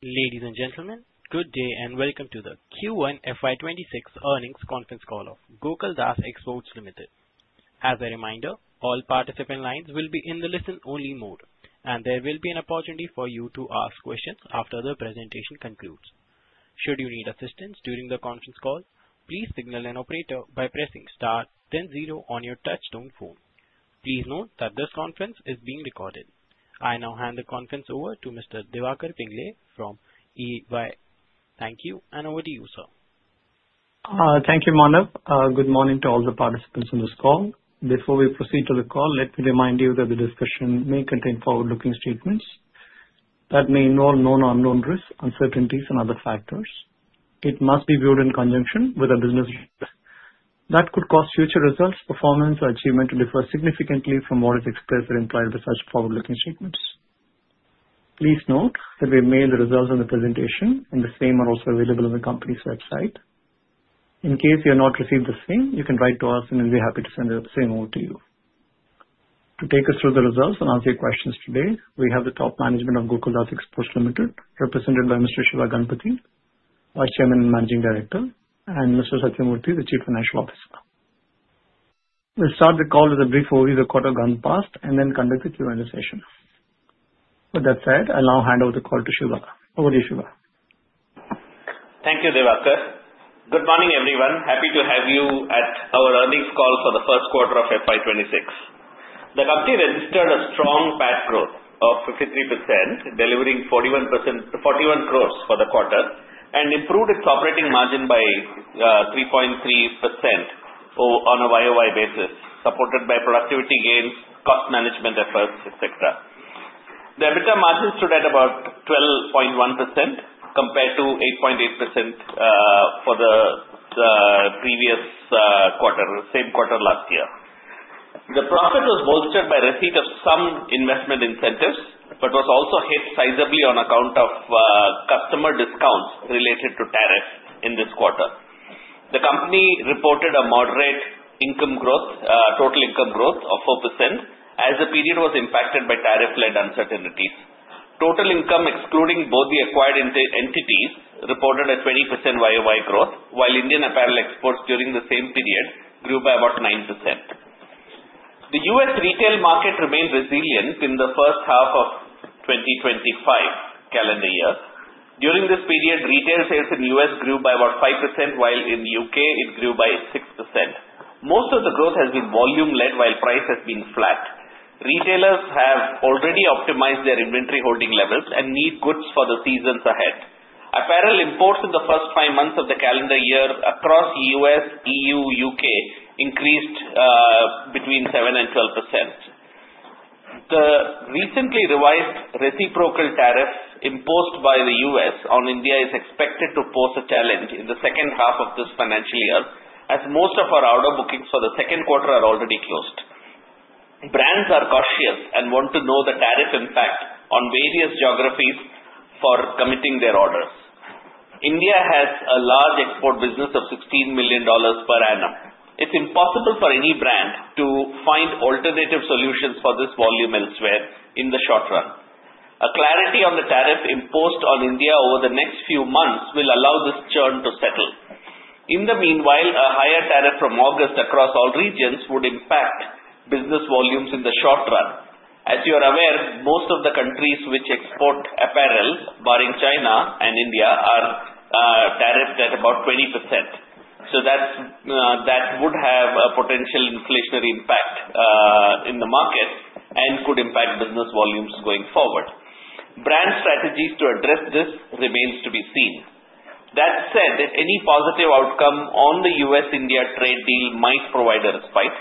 Ladies and gentlemen, good day and welcome to the Q1 FY26 earnings conference call of Gokaldas Exports Limited. As a reminder, all participant lines will be in the listen-only mode, and there will be an opportunity for you to ask questions after the presentation concludes. Should you need assistance during the conference call, please signal an operator by pressing star then zero on your touch-tone phone. Please note that this conference is being recorded. I now hand the conference over to Mr. Diwakar Pingle from EY. Thank you, and over to you, sir. Thank you, Manav. Good morning to all the participants in this call. Before we proceed to the call, let me remind you that the discussion may contain forward-looking statements that may involve known or unknown risks, uncertainties, and other factors. It must be viewed in conjunction with a business risk that could cause future results, performance, or achievement to differ significantly from what is expressed or implied by such forward-looking statements. Please note that we have made the results of the presentation, and the same are also available on the company's website. In case you have not received the same, you can write to us, and we'll be happy to send the same over to you. To take us through the results and answer your questions today, we have the top management of Gokaldas Exports Limited, represented by Mr. Siva Ganapathi, Vice Chairman and Managing Director, and Mr. Sathyamurthy, the Chief Financial Officer. We'll start the call with a brief overview of the quarter gone past and then conduct a Q&A session. With that said, I'll now hand over the call to Siva. Over to you, Siva. Thank you, Diwakar. Good morning, everyone. Happy to have you at our earnings call for the first quarter of FY26. The company registered a strong PAT growth of 53%, delivering 41 crore gross for the quarter and improved its operating margin by 3.3% on a YOY basis, supported by productivity gains, cost management efforts, etc. The EBITDA margin stood at about 12.1% compared to 8.8% for the previous quarter, same quarter last year. The profit was bolstered by receipt of some investment incentives but was also hit sizably on account of customer discounts related to tariffs in this quarter. The company reported a moderate total income growth of 4% as the period was impacted by tariff-led uncertainties. Total income, excluding both the acquired entities, reported a 20% YOY growth, while Indian apparel exports during the same period grew by about 9%. The U.S. retail market remained resilient in the first half of 2025 calendar year. During this period, retail sales in the U.S. grew by about 5%, while in the U.K., it grew by 6%. Most of the growth has been volume-led, while price has been flat. Retailers have already optimized their inventory holding levels and need goods for the seasons ahead. Apparel imports in the first five months of the calendar year across the U.S., E.U., and U.K. increased between 7% and 12%. The recently revised reciprocal tariff imposed by the U.S. on India is expected to pose a challenge in the second half of this financial year as most of our order bookings for the second quarter are already closed. Brands are cautious and want to know the tariff impact on various geographies for committing their orders. India has a large export business of $16 million per annum. It's impossible for any brand to find alternative solutions for this volume elsewhere in the short run. A clarity on the tariff imposed on India over the next few months will allow this churn to settle. In the meanwhile, a higher tariff from August across all regions would impact business volumes in the short run. As you are aware, most of the countries which export apparel, barring China and India, are tariffed at about 20%. So that would have a potential inflationary impact in the market and could impact business volumes going forward. Brand strategies to address this remain to be seen. That said, any positive outcome on the U.S.-India trade deal might provide a respite.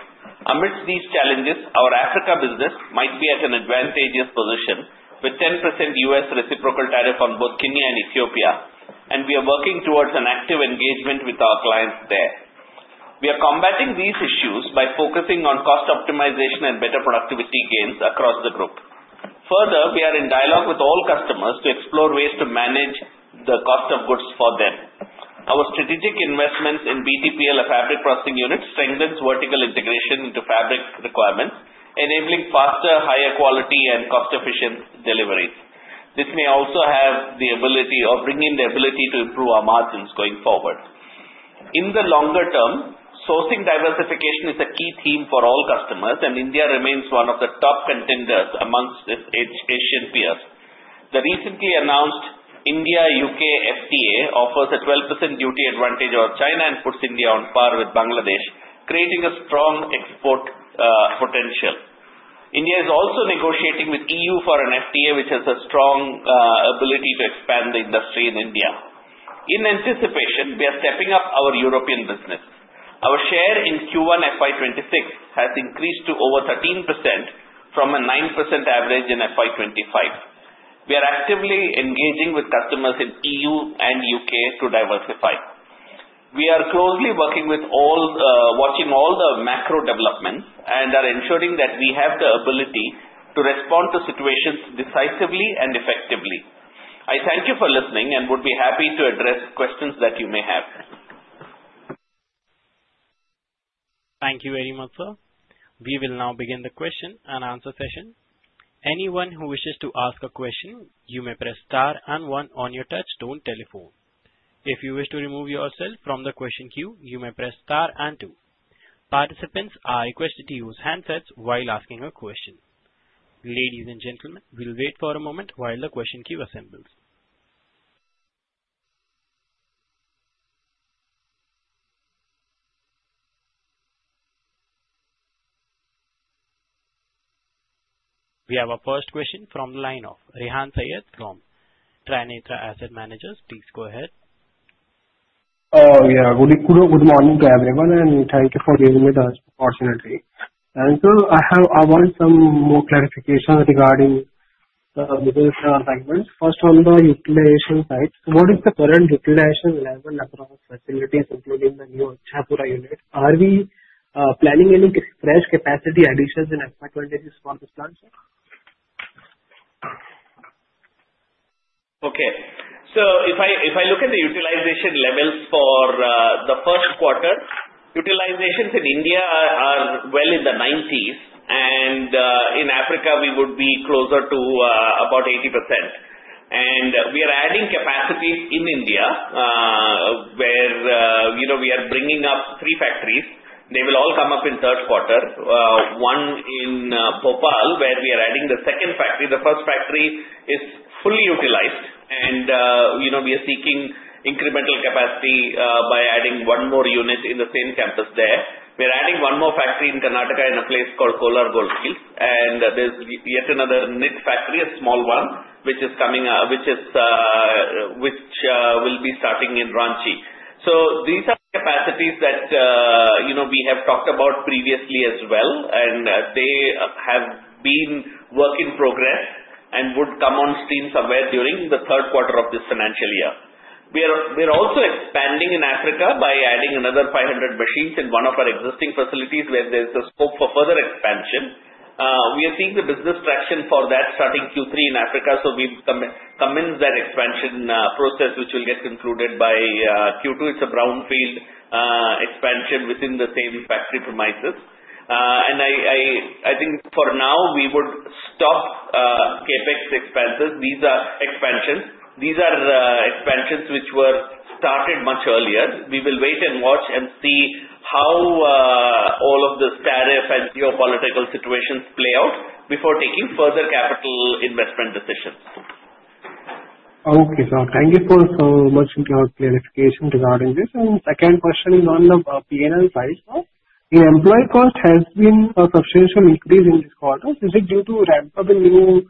Amidst these challenges, our Africa business might be at an advantageous position with 10% U.S. reciprocal tariff on both Kenya and Ethiopia, and we are working towards an active engagement with our clients there. We are combating these issues by focusing on cost optimization and better productivity gains across the group. Further, we are in dialogue with all customers to explore ways to manage the cost of goods for them. Our strategic investments in BTPL, a fabric processing unit, strengthens vertical integration into fabric requirements, enabling faster, higher quality, and cost-efficient deliveries. This may also have the ability of bringing the ability to improve our margins going forward. In the longer term, sourcing diversification is a key theme for all customers, and India remains one of the top contenders amongst its Asian peers. The recently announced India-UK FTA offers a 12% duty advantage over China and puts India on par with Bangladesh, creating a strong export potential. India is also negotiating with EU for an FTA, which has a strong ability to expand the industry in India. In anticipation, we are stepping up our European business. Our share in Q1 FY26 has increased to over 13% from a 9% average in FY25. We are actively engaging with customers in EU and UK to diversify. We are closely working with all, watching all the macro developments and are ensuring that we have the ability to respond to situations decisively and effectively. I thank you for listening and would be happy to address questions that you may have. Thank you very much, sir. We will now begin the question and answer session. Anyone who wishes to ask a question, you may press star and one on your touch-tone telephone. If you wish to remove yourself from the question queue, you may press star and two. Participants are requested to use handsets while asking a question. Ladies and gentlemen, we'll wait for a moment while the question queue assembles. We have our first question from the line of Rehan Syed from Trinetra Asset Management. Please go ahead. Yeah, good morning to everyone, and thank you for being with us, fortunately. And sir, I want some more clarification regarding the business segments. First, on the utilization side, what is the current utilization level across facilities, including the new Acharpura unit? Are we planning any fresh capacity additions in FY26 for this plant, sir? Okay. So if I look at the utilization levels for the first quarter, utilizations in India are well in the 90s, and in Africa, we would be closer to about 80%. And we are adding capacity in India where we are bringing up three factories. They will all come up in third quarter, one in Bhopal, where we are adding the second factory. The first factory is fully utilized, and we are seeking incremental capacity by adding one more unit in the same campus there. We are adding one more factory in Karnataka in a place called Kolar Gold Fields, and there's yet another knit factory, a small one, which is coming, which will be starting in Ranchi. So these are capacities that we have talked about previously as well, and they have been work in progress and would come on stream somewhere during the third quarter of this financial year. We are also expanding in Africa by adding another 500 machines in one of our existing facilities where there's a scope for further expansion. We are seeing the business traction for that starting Q3 in Africa, so we've commenced that expansion process, which will get concluded by Q2. It's a brownfield expansion within the same factory premises, and I think for now, we would stop CapEx expenses. These are expansions. These are expansions which were started much earlier. We will wait and watch and see how all of the tariff and geopolitical situations play out before taking further capital investment decisions. Okay, sir. Thank you for so much clarification regarding this. The second question is on the P&L side, sir. The employee cost has been a substantial increase in this quarter. Is it due to ramp up the new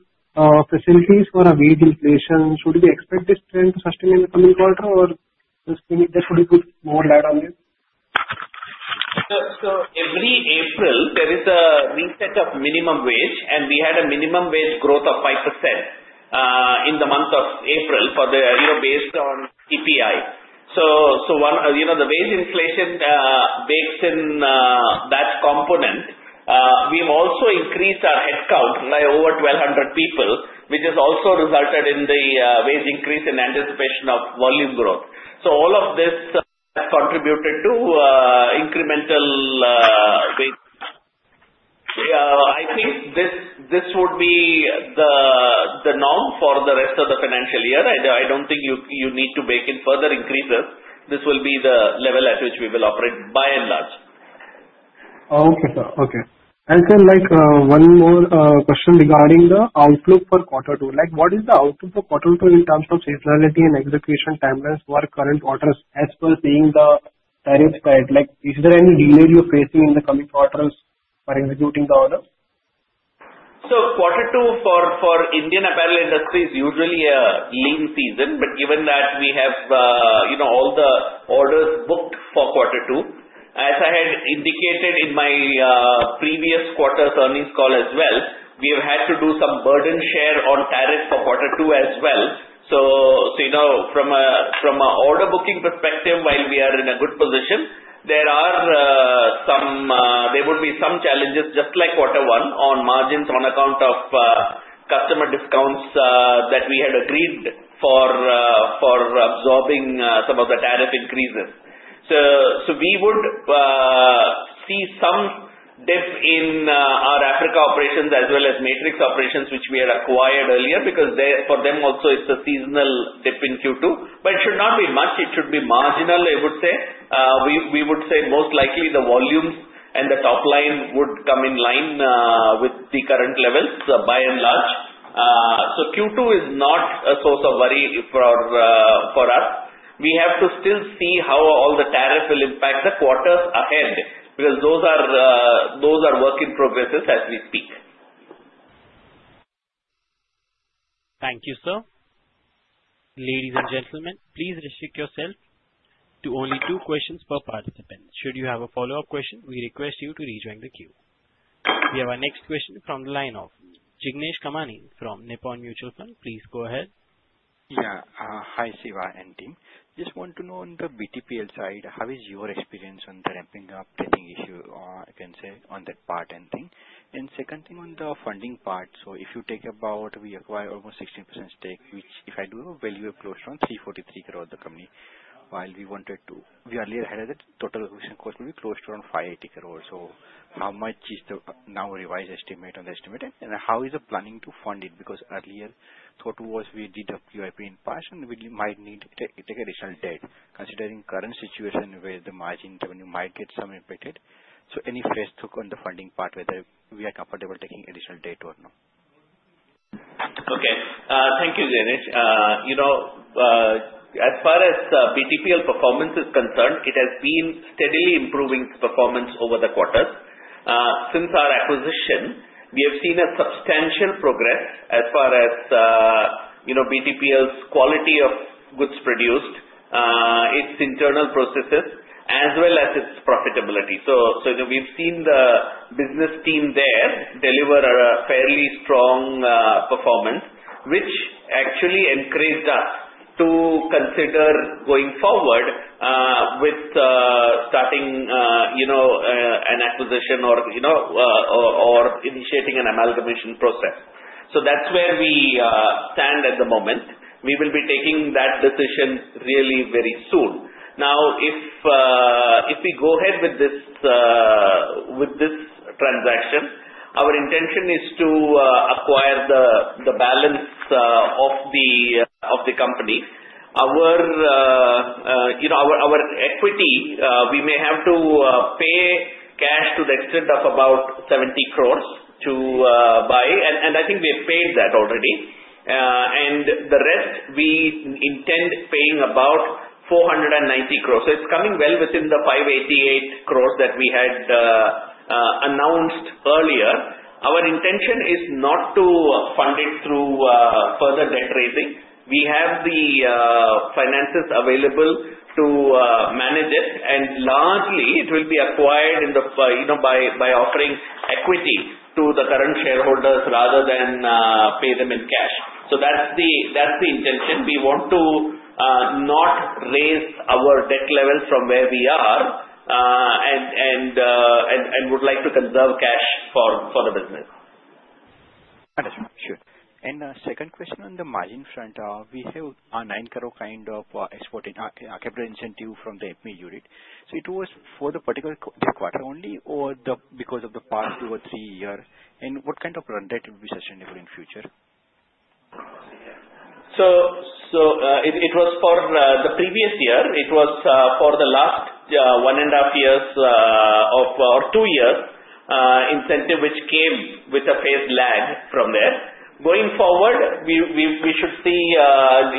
facilities for a wage inflation? Should we expect this trend to sustain in the coming quarter, or just we need to put more light on this? So every April, there is a reset of minimum wage, and we had a minimum wage growth of 5% in the month of April based on CPI. So the wage inflation bakes in that component. We have also increased our headcount by over 1,200 people, which has also resulted in the wage increase in anticipation of volume growth. So all of this has contributed to incremental wage. Yeah, I think this would be the norm for the rest of the financial year. I don't think you need to make any further increases. This will be the level at which we will operate by and large. Okay, sir. And sir, one more question regarding the outlook for quarter two. What is the outlook for quarter two in terms of seasonality and execution timelines for current quarters as per seeing the tariffs? Is there any delay you're facing in the coming quarters for executing the orders? Quarter two for the Indian apparel industry is usually a lean season, but given that we have all the orders booked for quarter two, as I had indicated in my previous quarter's earnings call as well, we have had to do some burden share on tariffs for quarter two as well. From an order booking perspective, while we are in a good position, there would be some challenges, just like quarter one, on margins on account of customer discounts that we had agreed for absorbing some of the tariff increases. We would see some dip in our Africa operations as well as Matrix operations, which we had acquired earlier because for them also, it's a seasonal dip in Q2, but it should not be much. It should be marginal, I would say. We would say most likely the volumes and the top line would come in line with the current levels by and large. So Q2 is not a source of worry for us. We have to still see how all the tariffs will impact the quarters ahead because those are work in progress as we speak. Thank you, sir. Ladies and gentlemen, please restrict yourself to only two questions per participant. Should you have a follow-up question, we request you to rejoin the queue. We have our next question from the line of Jignesh Kamani from Nippon India Mutual Fund. Please go ahead. Yeah. Hi, Siva and team. Just want to know on the BTPL side, how is your experience on the ramping up training issue, I can say, on that part and thing? And second thing on the funding part, so if you talk about we acquire almost 16% stake, which if I do value at close to around 343 crore of the company, while we wanted to we earlier had a total cost would be close to around 580 crore. So how much is the now revised estimate on the estimate? And how is the planning to fund it? Because earlier, thought was we did a QIP in past and we might need to take additional debt. Considering current situation where the margin revenue might get some impacted, so any feedback on the funding part whether we are comfortable taking additional debt or not? Okay. Thank you, Jignesh. As far as BTPL performance is concerned, it has been steadily improving performance over the quarters. Since our acquisition, we have seen a substantial progress as far as BTPL's quality of goods produced, its internal processes, as well as its profitability. So we've seen the business team there deliver a fairly strong performance, which actually encouraged us to consider going forward with starting an acquisition or initiating an amalgamation process. So that's where we stand at the moment. We will be taking that decision really very soon. Now, if we go ahead with this transaction, our intention is to acquire the balance of the company. Our equity, we may have to pay cash to the extent of about 70 crores to buy, and I think we have paid that already. And the rest, we intend paying about 490 crores. So it's coming well within the 588 crores that we had announced earlier. Our intention is not to fund it through further debt raising. We have the finances available to manage it, and largely, it will be acquired by offering equity to the current shareholders rather than pay them in cash. So that's the intention. We want to not raise our debt level from where we are and would like to conserve cash for the business. Understood. Sure. And second question on the margin front, we have a 9 crore kind of export capital incentive from the FP unit. So it was for the particular quarter only or because of the past two or three years? And what kind of rate would be sustainable in future? It was for the previous year. It was for the last one and a half years or two years incentive, which came with a phased lag from there. Going forward, we should see.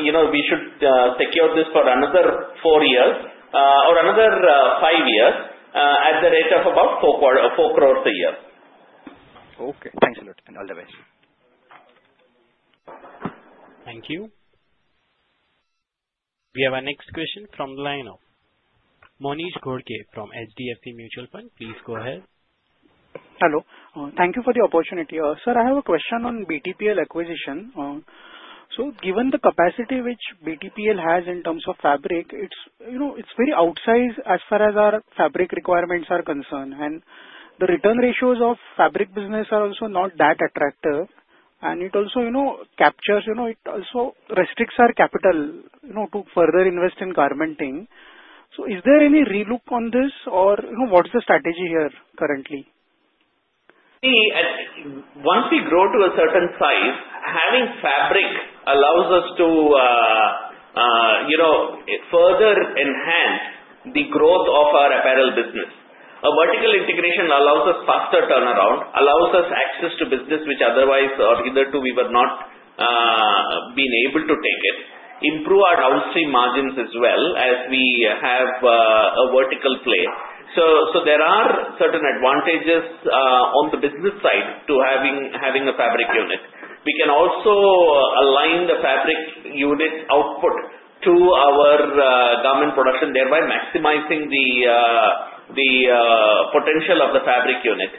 We should secure this for another four years or another five years at the rate of about 4 crore a year. Okay. Thanks a lot. And otherwise, thank you. We have our next question from the line of Monish Ghodke from HDFC Mutual Fund. Please go ahead. Hello. Thank you for the opportunity. Sir, I have a question on BTPL acquisition. So given the capacity which BTPL has in terms of fabric, it's very outsized as far as our fabric requirements are concerned. And the return ratios of fabric business are also not that attractive. And it also captures it, also restricts our capital to further invest in garmenting. So is there any relook on this, or what's the strategy here currently? See, once we grow to a certain size, having fabric allows us to further enhance the growth of our apparel business. A vertical integration allows us faster turnaround, allows us access to business which otherwise, or either two, we were not being able to take it, improve our downstream margins as well as we have a vertical play. So there are certain advantages on the business side to having a fabric unit. We can also align the fabric unit output to our garment production, thereby maximizing the potential of the fabric unit.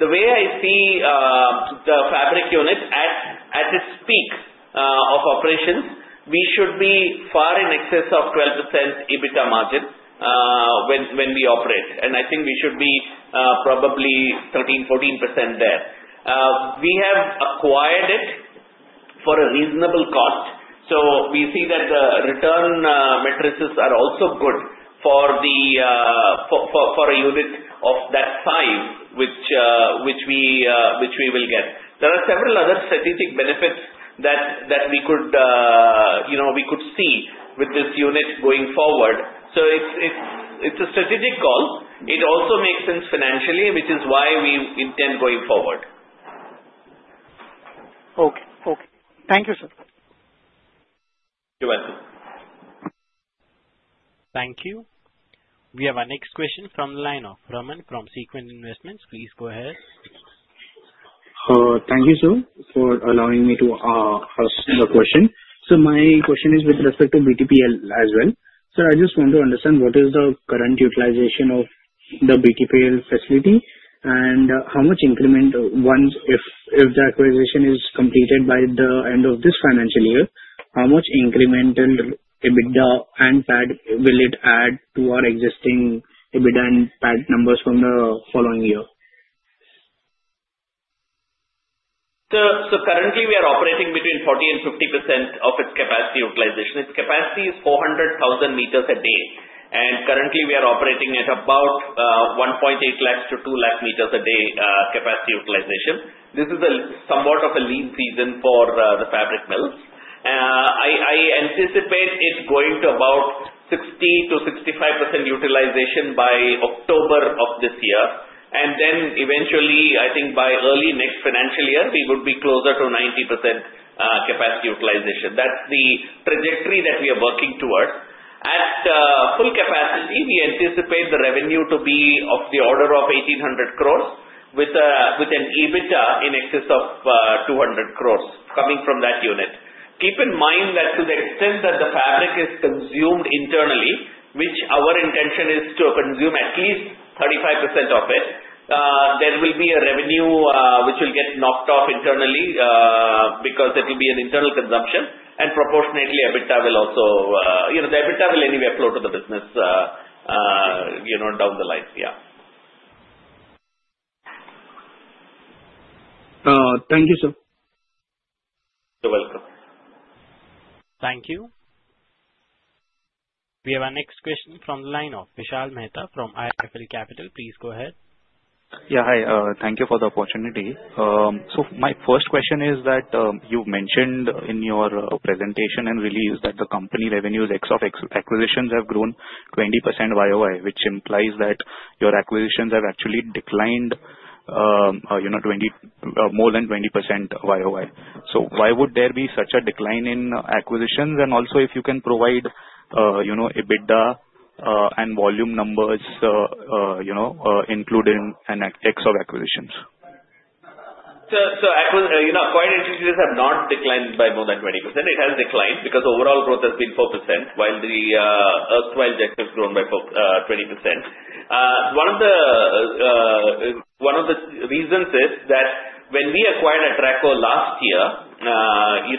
The way I see the fabric unit at its peak of operations, we should be far in excess of 12% EBITDA margin when we operate. And I think we should be probably 13%-14% there. We have acquired it for a reasonable cost. So we see that the return matrices are also good for a unit of that size which we will get. There are several other strategic benefits that we could see with this unit going forward. So it's a strategic call. It also makes sense financially, which is why we intend going forward. Okay. Okay. Thank you, sir. You're welcome. Thank you. We have our next question from the line of Raman from Sequent Investments. Please go ahead. Thank you, sir, for allowing me to ask the question. So my question is with respect to BTPL as well. Sir, I just want to understand what is the current utilization of the BTPL facility and how much increment once if the acquisition is completed by the end of this financial year, how much incremental EBITDA and PAT will it add to our existing EBITDA and PAT numbers from the following year? So currently, we are operating between 40% and 50% of its capacity utilization. Its capacity is 400,000 meters a day. And currently, we are operating at about 1.8 lakh to 2 lakh meters a day capacity utilization. This is somewhat of a lean season for the fabric mills. I anticipate it's going to about 60%-65% utilization by October of this year. And then eventually, I think by early next financial year, we would be closer to 90% capacity utilization. That's the trajectory that we are working towards. At full capacity, we anticipate the revenue to be of the order of 1,800 crores with an EBITDA in excess of 200 crores coming from that unit. Keep in mind that to the extent that the fabric is consumed internally, which our intention is to consume at least 35% of it, there will be a revenue which will get knocked off internally because it will be an internal consumption. And proportionately, EBITDA will also anyway flow to the business down the line. Yeah. Thank you, sir. You're welcome. Thank you. We have our next question from the line of Vishal Mehta from IIFL Capital. Please go ahead. Yeah. Hi. Thank you for the opportunity. So my first question is that you mentioned in your presentation and release that the company revenues ex of acquisitions have grown 20% YoY, which implies that your acquisitions have actually declined more than 20% YoY. So why would there be such a decline in acquisitions? And also, if you can provide EBITDA and volume numbers included in ex of acquisitions. Acquisitions have not declined by more than 20%. It has declined because overall growth has been 4%, while the organic has grown by 20%. One of the reasons is that when we acquired Atraco last year,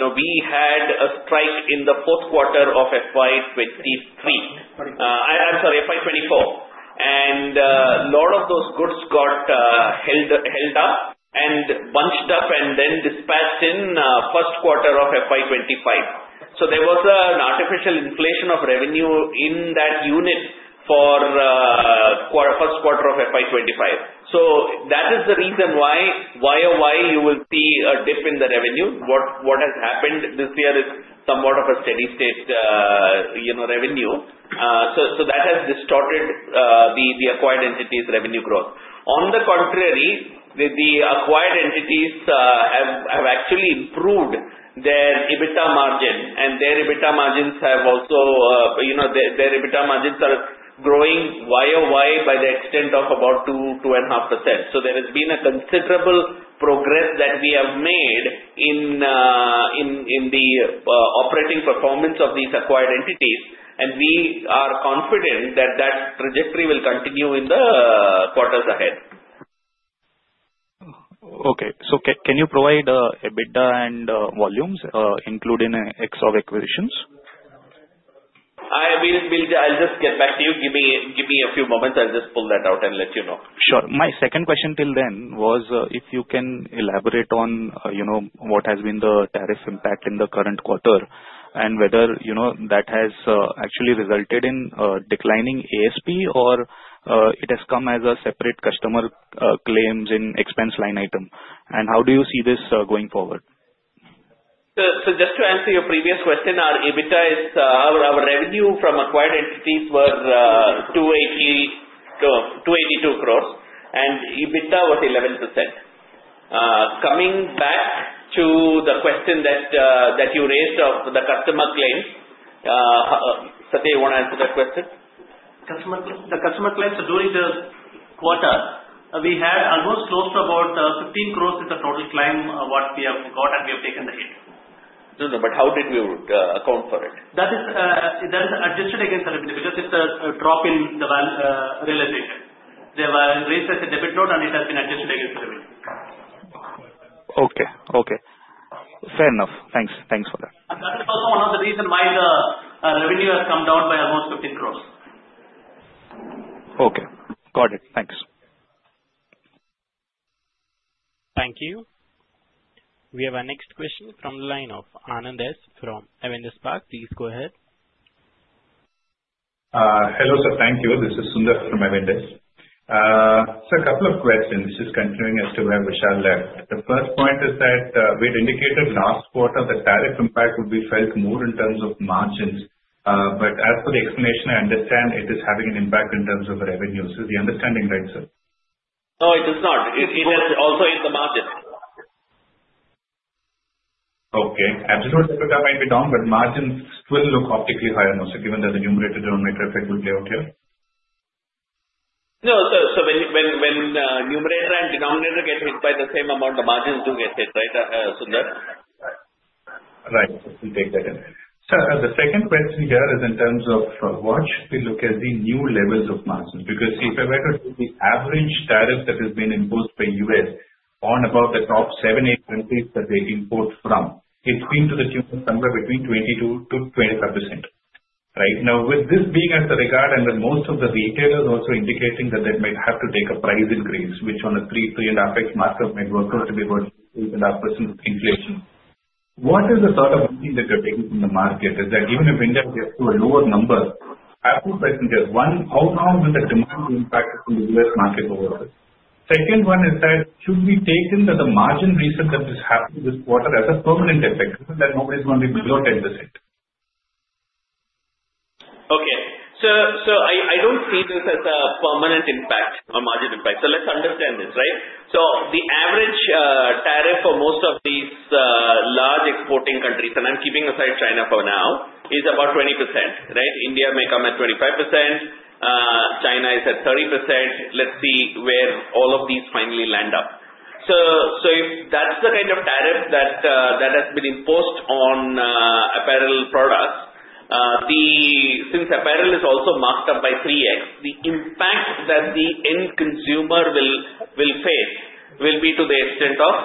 we had a strike in the fourth quarter of FY23. I'm sorry, FY24. A lot of those goods got held up and bunched up and then dispatched in first quarter of FY25. So there was an artificial inflation of revenue in that unit for first quarter of FY25. So that is the reason why YOY you will see a dip in the revenue. What has happened this year is somewhat of a steady-state revenue. So that has distorted the acquired entities' revenue growth. On the contrary, the acquired entities have actually improved their EBITDA margin, and their EBITDA margins are also growing YOY by the extent of about 2-2.5%. So there has been a considerable progress that we have made in the operating performance of these acquired entities, and we are confident that that trajectory will continue in the quarters ahead. Okay. So can you provide EBITDA and volumes included in value of acquisitions? I'll just get back to you. Give me a few moments. I'll just pull that out and let you know. Sure. My second question till then was if you can elaborate on what has been the tariff impact in the current quarter and whether that has actually resulted in declining ASP or it has come as a separate customer claims in expense line item. And how do you see this going forward? So just to answer your previous question, our revenue from acquired entities were 282 crores, and EBITDA was 11%. Coming back to the question that you raised of the customer claim, Saty, you want to answer that question? The customer claim. So during the quarter, we had almost close to about 15 crores, which is the total claim what we have got, and we have taken the hit. But how did we account for it? That is adjusted against the revenue because it's a drop in the realization. They were raised as a debit note, and it has been adjusted against the revenue. Okay. Okay. Fair enough. Thanks. Thanks for that. That is also one of the reasons why the revenue has come down by almost 150 million. Okay. Got it. Thanks. Thank you. We have our next question from the line of Anand S. from Avendus Spark. Please go ahead. Hello, sir. Thank you. This is Sundar from Avendus. Sir, a couple of questions. This is continuing as to where Vishal left. The first point is that we had indicated last quarter the tariff impact would be felt more in terms of margins. But as per the explanation, I understand it is having an impact in terms of revenues. Is the understanding right, sir? No, it is not. It is also in the margins. Okay. Absolutely. EBITDA might be down, but margins still look optically higher now, sir, given that the numerator denominator effect will play out here. No, sir. So when numerator and denominator get hit by the same amount, the margins do get hit, right, Sundar? Right. We'll take that in. Sir, the second question here is in terms of what should we look at the new levels of margins? Because if I were to do the average tariff that has been imposed by the U.S. on about the top seven, eight countries that they import from, it's been to the tune of somewhere between 22%-25%, right? Now, with this being in this regard and that most of the retailers also indicating that they might have to take a price increase, which on a 3, 3 and a half X market might work out to be about 8.5% inflation, what is the sort of thing that you're taking from the market? Is that given Avendus gets to a lower number, I would question just one, how long will the demand impact from the U.S. market go over? Second one is that should we take into account the recent margin that has happened this quarter as a permanent effect that nobody's going to be below 10%? Okay. So I don't see this as a permanent impact or margin impact. So let's understand this, right? So the average tariff for most of these large exporting countries, and I'm keeping aside China for now, is about 20%, right? India may come at 25%. China is at 30%. Let's see where all of these finally land up. So if that's the kind of tariff that has been imposed on apparel products, since apparel is also marked up by 3X, the impact that the end consumer will face will be to the extent of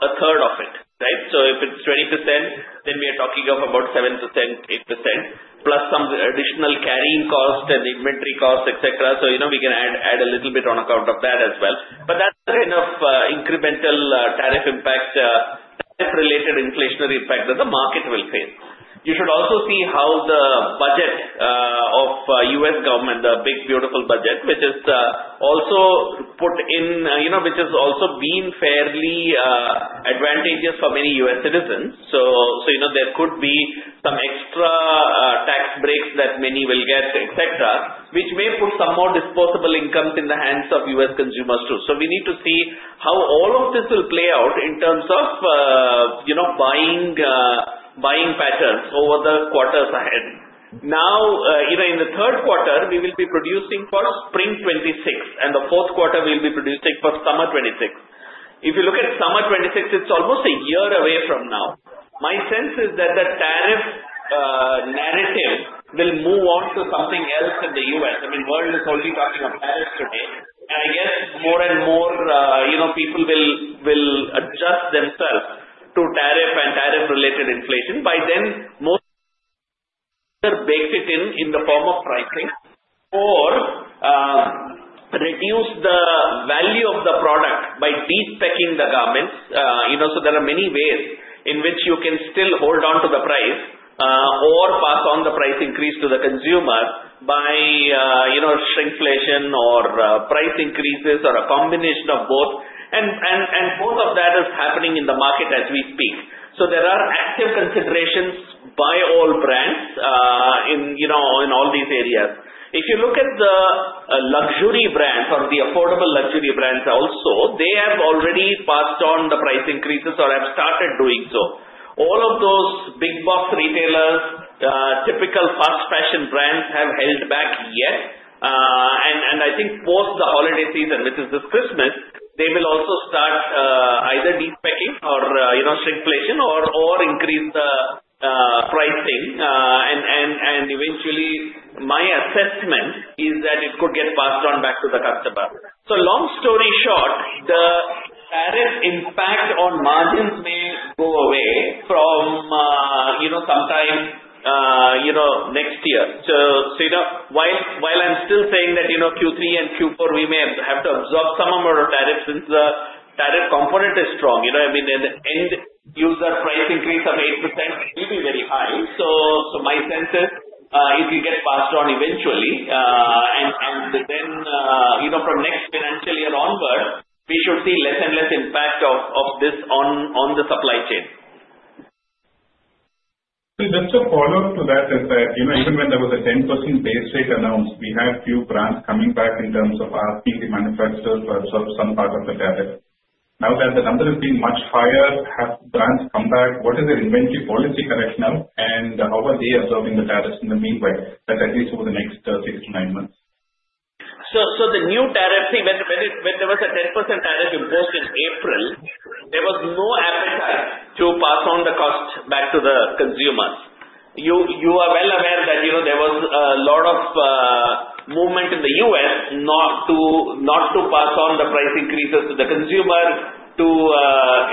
a third of it, right? So if it's 20%, then we are talking of about 7%, 8%, plus some additional carrying cost and inventory cost, etc. So we can add a little bit on account of that as well. But that's the kind of incremental tariff impact, tariff-related inflationary impact that the market will face. You should also see how the budget of the U.S. government, the big beautiful budget, which is also put in, which has also been fairly advantageous for many U.S. citizens. So there could be some extra tax breaks that many will get, etc., which may put some more disposable incomes in the hands of U.S. consumers too. So we need to see how all of this will play out in terms of buying patterns over the quarters ahead. Now, in the third quarter, we will be producing for spring 2026, and the fourth quarter we'll be producing for summer 2026. If you look at summer 2026, it's almost a year away from now. My sense is that the tariff narrative will move on to something else in the U.S. I mean, the world is only talking of tariffs today. And I guess more and more people will adjust themselves to tariff and tariff-related inflation by then either baked it in in the form of pricing or reduce the value of the product by despecking the garments. So there are many ways in which you can still hold on to the price or pass on the price increase to the consumer by shrinkflation or price increases or a combination of both. And both of that is happening in the market as we speak. So there are active considerations by all brands in all these areas. If you look at the luxury brands or the affordable luxury brands also, they have already passed on the price increases or have started doing so. All of those big box retailers, typical fast fashion brands have held back yet. And I think post the holiday season, which is this Christmas, they will also start either despecking or shrinkflation or increase the pricing. And eventually, my assessment is that it could get passed on back to the customer. So long story short, the tariff impact on margins may go away from sometime next year. So while I'm still saying that Q3 and Q4, we may have to absorb some amount of tariff since the tariff component is strong. I mean, the end user price increase of 8% will be very high. So my sense is it will get passed on eventually. And then from next financial year onward, we should see less and less impact of this on the supply chain. Just to follow up on that, is that even when there was a 10% base rate announced, we had a few brands coming back in terms of asking the manufacturers to absorb some part of the tariff. Now that the number has been much higher, have brands come back? What is their inventory policy right now? And how are they absorbing the tariffs in the meanwhile, let's say at least over the next six to nine months? So the new tariff, when there was a 10% tariff imposed in April, there was no appetite to pass on the cost back to the consumers. You are well aware that there was a lot of movement in the U.S. not to pass on the price increases to the consumer to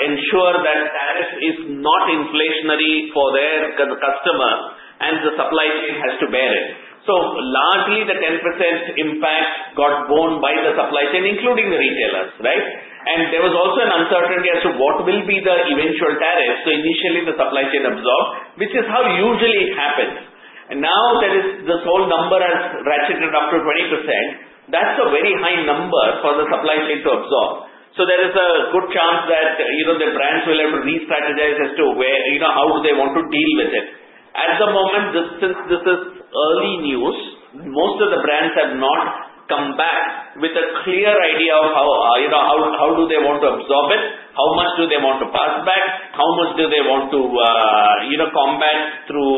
ensure that tariff is not inflationary for their customer, and the supply chain has to bear it. So largely, the 10% impact got borne by the supply chain, including the retailers, right? And there was also an uncertainty as to what will be the eventual tariff. So initially, the supply chain absorbed, which is how usually it happens. And now that this whole number has ratcheted up to 20%, that's a very high number for the supply chain to absorb. So there is a good chance that the brands will have to restrategize as to how do they want to deal with it. At the moment, since this is early news, most of the brands have not come back with a clear idea of how do they want to absorb it, how much do they want to pass back, how much do they want to combat through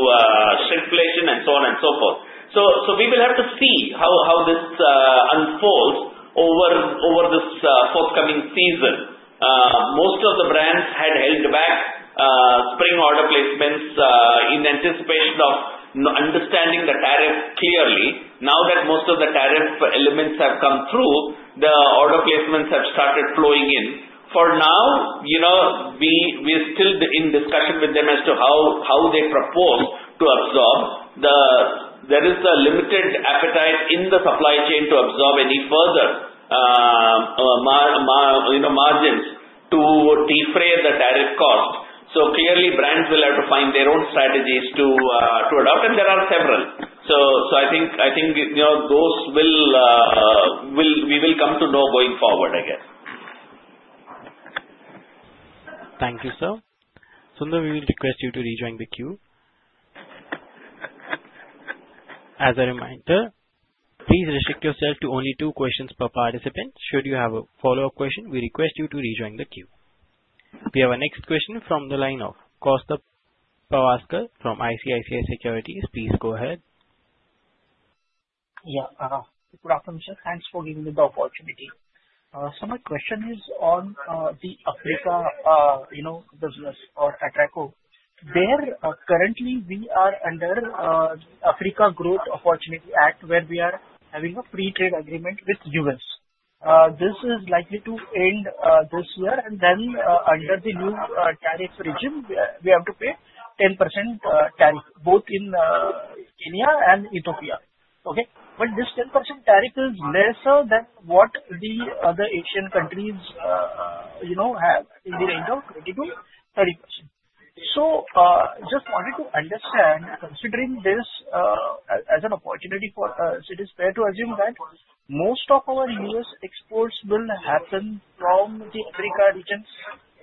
shrinkflation, and so on and so forth. So we will have to see how this unfolds over this forthcoming season. Most of the brands had held back spring order placements in anticipation of understanding the tariff clearly. Now that most of the tariff elements have come through, the order placements have started flowing in. For now, we are still in discussion with them as to how they propose to absorb. There is a limited appetite in the supply chain to absorb any further margins to defray the tariff cost. So clearly, brands will have to find their own strategies to adopt, and there are several. So I think those we will come to know going forward, I guess. Thank you, sir. Sundar, we will request you to rejoin the queue. As a reminder, please restrict yourself to only two questions per participant. Should you have a follow-up question, we request you to rejoin the queue. We have our next question from the line of Kaustubh Pawaskar from ICICI Securities. Please go ahead. Yeah. Good afternoon, sir. Thanks for giving me the opportunity. So my question is on the Africa business or Atraco. Currently, we are under African Growth and Opportunity Act, where we are having a free trade agreement with the U.S. This is likely to end this year, and then under the new tariff regime, we have to pay 10% tariff, both in Kenya and Ethiopia, okay? But this 10% tariff is lesser than what the other Asian countries have in the range of 20%-30%. So just wanted to understand, considering this as an opportunity for us, it is fair to assume that most of our U.S. exports will happen from the Africa regions,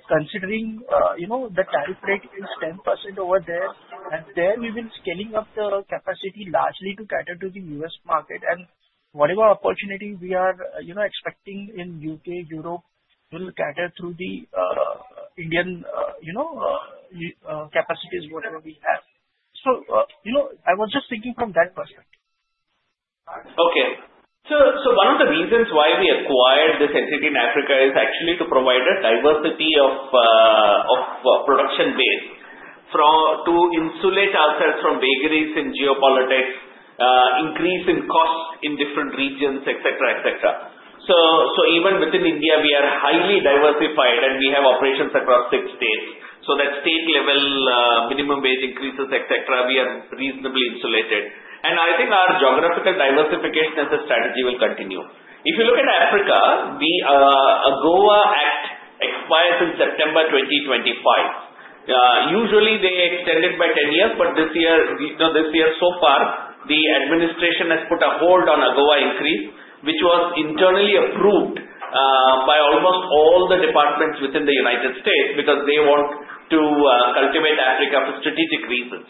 considering the tariff rate is 10% over there. And there we will be scaling up the capacity largely to cater to the U.S. market. And whatever opportunity we are expecting in the UK, Europe, we'll cater through the Indian capacities, whatever we have. So I was just thinking from that perspective. Okay. So one of the reasons why we acquired this entity in Africa is actually to provide a diversity of production base to insulate ourselves from vagaries in geopolitics, increase in costs in different regions, etc., etc. So even within India, we are highly diversified, and we have operations across six states. So that state-level minimum wage increases, etc., we are reasonably insulated. And I think our geographical diversification as a strategy will continue. If you look at Africa, the AGOA Act expires in September 2025. Usually, they extend it by 10 years, but this year, so far, the administration has put a hold on AGOA increase, which was internally approved by almost all the departments within the United States because they want to cultivate Africa for strategic reasons.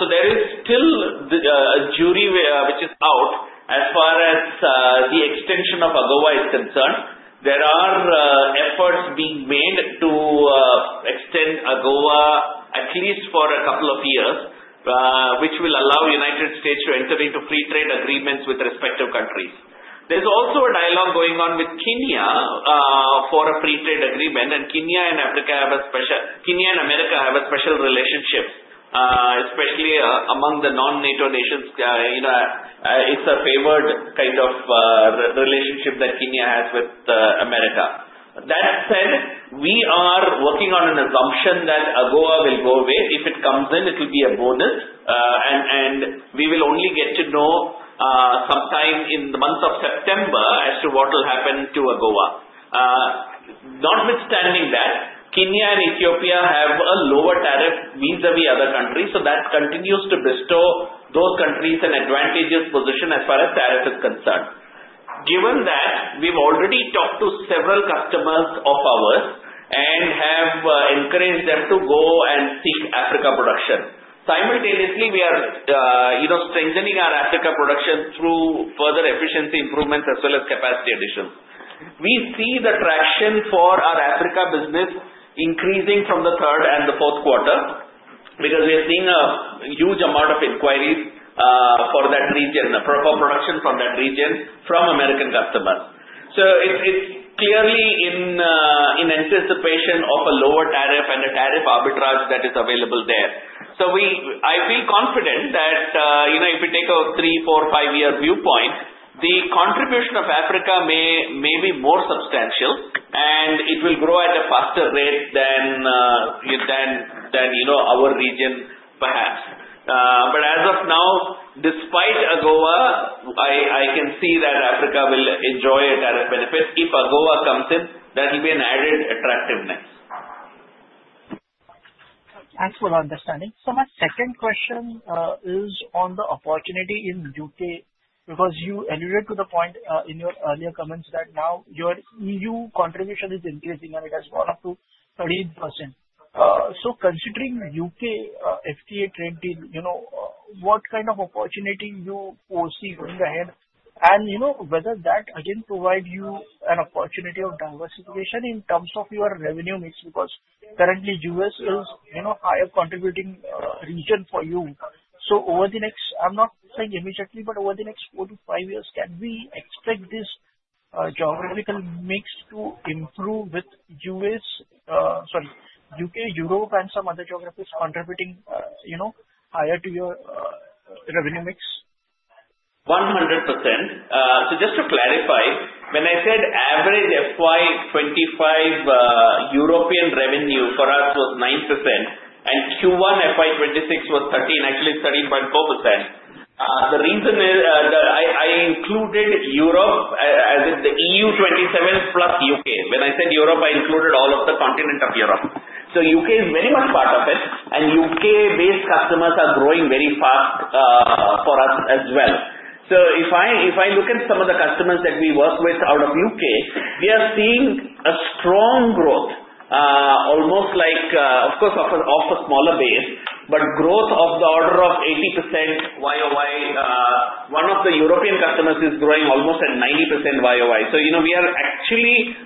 So there is still a jury which is out as far as the extension of AGOA is concerned. There are efforts being made to extend AGOA at least for a couple of years, which will allow the United States to enter into free trade agreements with respective countries. There's also a dialogue going on with Kenya for a free trade agreement, and Kenya and America have a special relationship, especially among the non-NATO nations. It's a favored kind of relationship that Kenya has with America. That said, we are working on an assumption that AGOA will go away. If it comes in, it will be a bonus, and we will only get to know sometime in the month of September as to what will happen to AGOA. Notwithstanding that, Kenya and Ethiopia have a lower tariff vis-à-vis other countries, so that continues to bestow those countries an advantageous position as far as tariff is concerned. Given that, we've already talked to several customers of ours and have encouraged them to go and seek Africa production. Simultaneously, we are strengthening our Africa production through further efficiency improvements as well as capacity additions. We see the traction for our Africa business increasing from the third and the fourth quarter because we are seeing a huge amount of inquiries for that region, for production from that region from American customers. So it's clearly in anticipation of a lower tariff and a tariff arbitrage that is available there. So I feel confident that if we take a three, four, five-year viewpoint, the contribution of Africa may be more substantial, and it will grow at a faster rate than our region, perhaps. But as of now, despite AGOA, I can see that Africa will enjoy a tariff benefit. If AGOA comes in, that will be an added attractiveness. Thanks for the understanding. So my second question is on the opportunity in the U.K. because you alluded to the point in your earlier comments that now your E.U. contribution is increasing, and it has gone up to 30%. So considering U.K. FTA trade deal, what kind of opportunity do you foresee going ahead? And whether that, again, provides you an opportunity of diversification in terms of your revenue mix because currently, the U.S. is a higher contributing region for you. So over the next, I'm not saying immediately, but over the next four to five years, can we expect this geographical mix to improve with U.S., sorry, U.K., Europe, and some other geographies contributing higher to your revenue mix? 100%. So just to clarify, when I said average FY 25 European revenue for us was 9% and Q1 FY 26 was 13, actually 13.4%, the reason is I included Europe as in the E.U. 27 plus U.K. When I said Europe, I included all of the continent of Europe. So U.K. is very much part of it, and U.K.-based customers are growing very fast for us as well. So if I look at some of the customers that we work with out of the U.K., we are seeing a strong growth, almost like, of course, off a smaller base, but growth of the order of 80% YOY. One of the European customers is growing almost at 90% YOY. So we are actually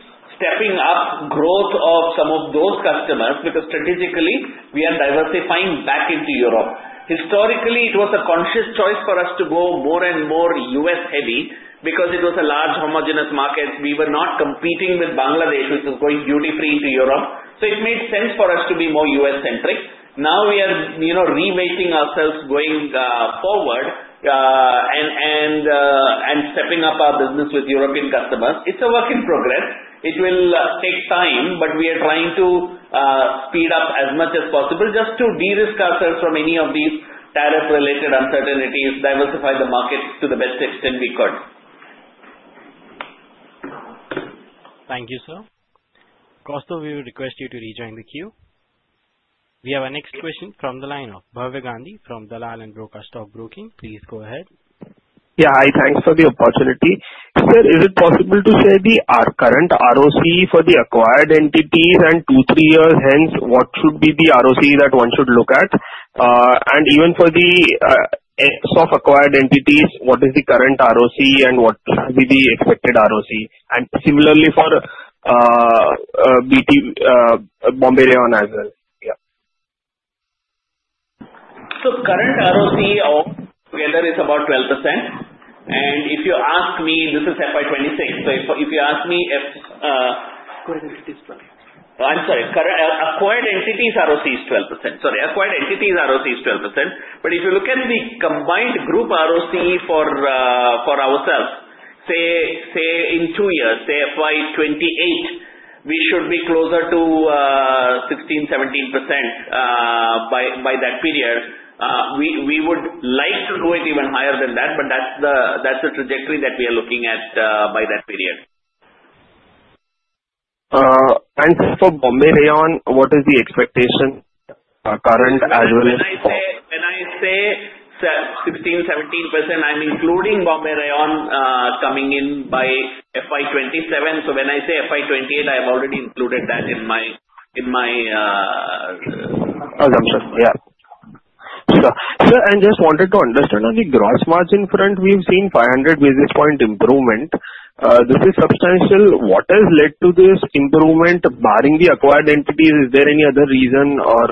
stepping up growth of some of those customers because strategically, we are diversifying back into Europe. Historically, it was a conscious choice for us to go more and more U.S.-heavy because it was a large homogeneous market. We were not competing with Bangladesh, which was going duty-free into Europe. So it made sense for us to be more U.S.-centric. Now we are reweighting ourselves going forward and stepping up our business with European customers. It's a work in progress. It will take time, but we are trying to speed up as much as possible just to de-risk ourselves from any of these tariff-related uncertainties, diversify the market to the best extent we could. Thank you, sir. Kaustubh, we will request you to rejoin the queue. We have our next question from the line of Bhavya Gandhi from Dalal & Broacha Stock Broking. Please go ahead. Yeah, hi. Thanks for the opportunity. Sir, is it possible to share the current ROC for the acquired entities and two, three years hence? What should be the ROC that one should look at? And even for the SOF acquired entities, what is the current ROC and what will be the expected ROC? And similarly for BT, Bombay Rayon as well. Yeah. Current ROC together is about 12%. If you ask me, this is FY 2026. Acquired entities ROC is 12%. If you look at the combined group ROC for ourselves, say in two years, say FY 2028, we should be closer to 16%-17% by that period. We would like to go even higher than that, but that's the trajectory that we are looking at by that period. And for Bombay Rayon, what is the expectation current as well as? When I say 16%-17%, I'm including Bombay Rayon coming in by FY 2027. So when I say FY 2028, I have already included that in my. Sir, I just wanted to understand on the gross margin front, we've seen 500 basis points improvement. This is substantial. What has led to this improvement barring the acquired entities? Is there any other reason or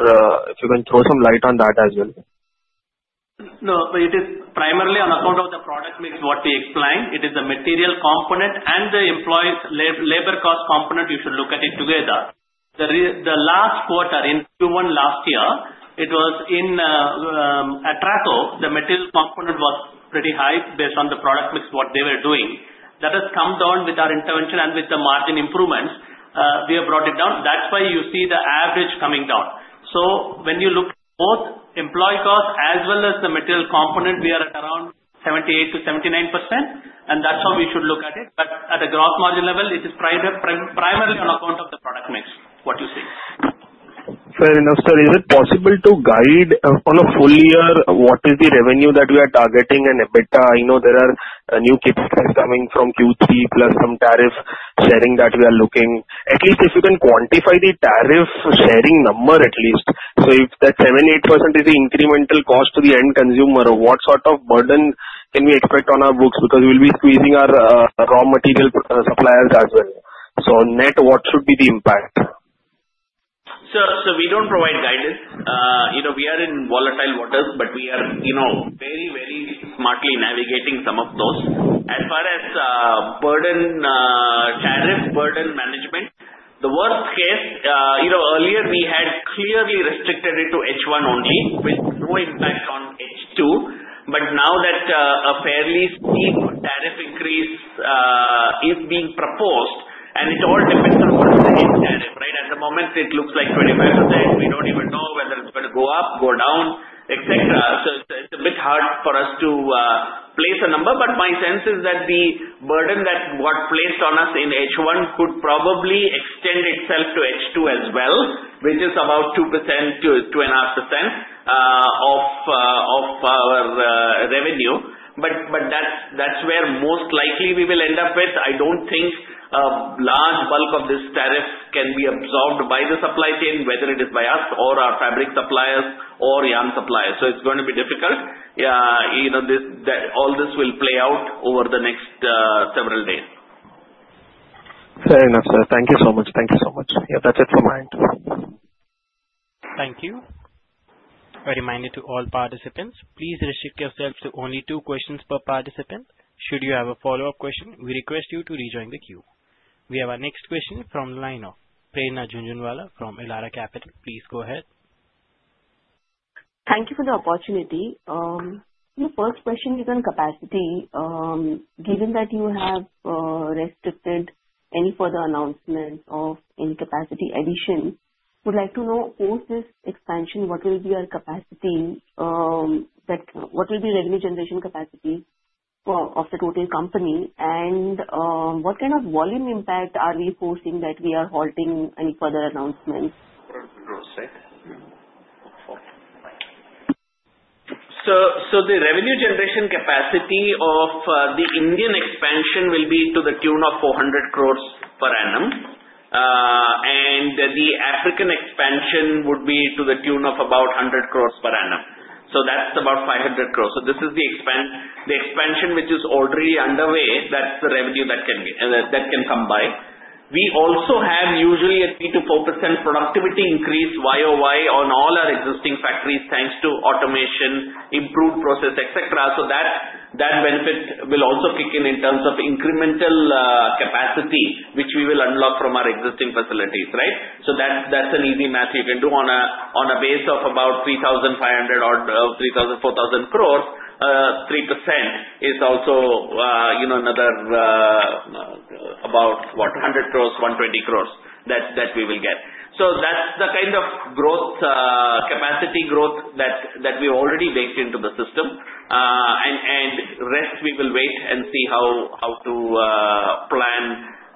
if you can throw some light on that as well? No. It is primarily on account of the product mix, what we explained. It is the material component and the labor cost component. You should look at it together. The last quarter in Q1 last year, it was in Atraco. The material component was pretty high based on the product mix, what they were doing. That has come down with our intervention and with the margin improvements. We have brought it down. That's why you see the average coming down. So when you look at both employee cost as well as the material component, we are at around 78%-79%, and that's how we should look at it. But at a gross margin level, it is primarily on account of the product mix, what you see. Fair enough, sir. Is it possible to guide on a full year what is the revenue that we are targeting? And I know there are new KPIs coming from Q3 plus some tariff sharing that we are looking. At least if you can quantify the tariff sharing number, at least. So if that 78% is the incremental cost to the end consumer, what sort of burden can we expect on our books? Because we'll be squeezing our raw material suppliers as well. So net, what should be the impact? Sir, so we don't provide guidance. We are in volatile waters, but we are very, very smartly navigating some of those. As far as tariff burden management, the worst case, earlier we had clearly restricted it to H1 only with no impact on H2. But now that a fairly steep tariff increase is being proposed, and it all depends on what's the end tariff, right? At the moment, it looks like 25%. We don't even know whether it's going to go up, go down, etc. So it's a bit hard for us to place a number, but my sense is that the burden that got placed on us in H1 could probably extend itself to H2 as well, which is about 2%-2.5% of our revenue. But that's where most likely we will end up with. I don't think a large bulk of this tariff can be absorbed by the supply chain, whether it is by us or our fabric suppliers or yarn suppliers. So it's going to be difficult. All this will play out over the next several days. Fair enough, sir. Thank you so much. Thank you so much. Yeah, that's it from my end. Thank you. A reminder to all participants, please restrict yourselves to only two questions per participant. Should you have a follow-up question, we request you to rejoin the queue. We have our next question from the line of Prerna Jhunjhunwala from Elara Capital. Please go ahead. Thank you for the opportunity. First question is on capacity. Given that you have restricted any further announcement of any capacity addition, we'd like to know post this expansion, what will be our capacity? What will be revenue generation capacity of the total company? And what kind of volume impact are we forcing that we are halting any further announcements? So the revenue generation capacity of the Indian expansion will be to the tune of 400 crores per annum, and the African expansion would be to the tune of about 100 crores per annum. So that's about 500 crores. So this is the expansion which is already underway. That's the revenue that can come by. We also have usually a 3%-4% productivity increase YOY on all our existing factories thanks to automation, improved process, etc. So that benefit will also kick in in terms of incremental capacity, which we will unlock from our existing facilities, right? So that's an easy math you can do. On a base of about 3,500 or 3,000-4,000 crores, 3% is also another about, what, 100 crores, 120 crores that we will get. So that's the kind of capacity growth that we've already baked into the system. Rest, we will wait and see how to plan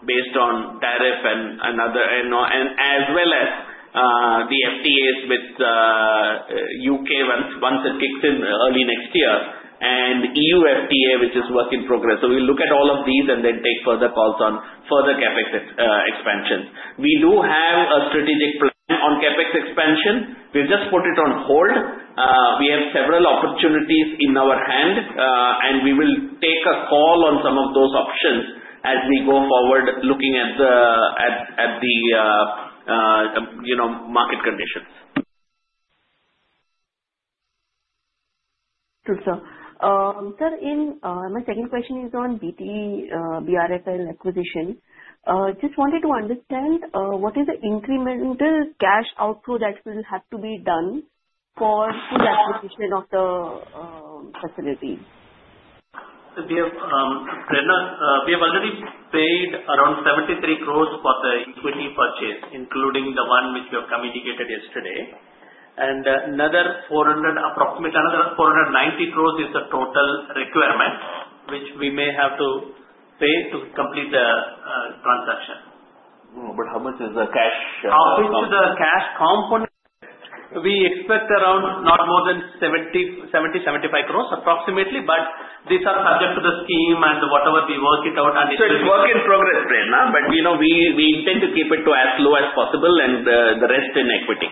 based on tariff and as well as the F.T.A.s with U.K. once it kicks in early next year and E.U. F.T.A., which is a work in progress. We'll look at all of these and then take further calls on further CapEx expansions. We do have a strategic plan on CapEx expansion. We've just put it on hold. We have several opportunities in our hand, and we will take a call on some of those options as we go forward looking at the market conditions. Good, sir. Sir, my second question is on BTPL BRFL acquisition. Just wanted to understand what is the incremental cash outflow that will have to be done for full acquisition of the facility? So we have already paid around 73 crores for the equity purchase, including the one which we have communicated yesterday. And another 400, approximately another 490 crores is the total requirement, which we may have to pay to complete the transaction. How much is the cash? Out of the cash component, we expect around not more than 70-75 crores approximately, but these are subject to the scheme and whatever we work it out. It's work in progress, Prerna, but we intend to keep it to as low as possible and the rest in equity.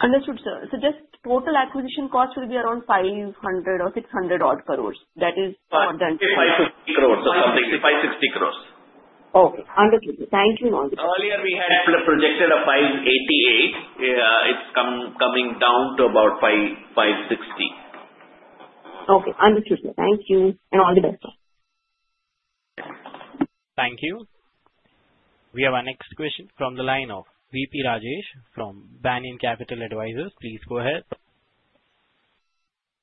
Understood, sir. So just total acquisition cost will be around 500 or 600 odd crores. That is more than 500. 50,560 crores or something. 50,560 crores. Okay. Understood. Thank you. Earlier, we had projected a 588. It's coming down to about 560. Okay. Understood, sir. Thank you. And all the best, sir. Thank you. We have our next question from the line of VP Rajesh from Banyan Capital Advisors. Please go ahead.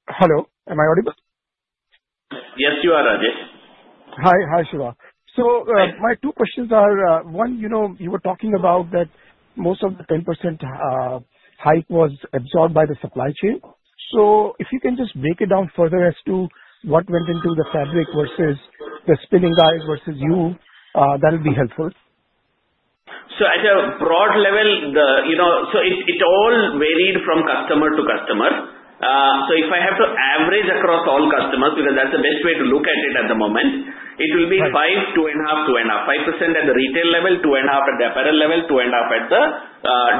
Hello. Am I audible? Yes, you are, Rajesh. Hi. Hi, Siva. So my two questions are, one, you were talking about that most of the 10% hike was absorbed by the supply chain. So if you can just break it down further as to what went into the fabric versus the spinning guys versus you, that would be helpful. So at a broad level, it all varied from customer to customer. So if I have to average across all customers, because that's the best way to look at it at the moment, it will be 5%, 2.5%, 2.5%. 5% at the retail level, 2.5% at the apparel level, 2.5% at the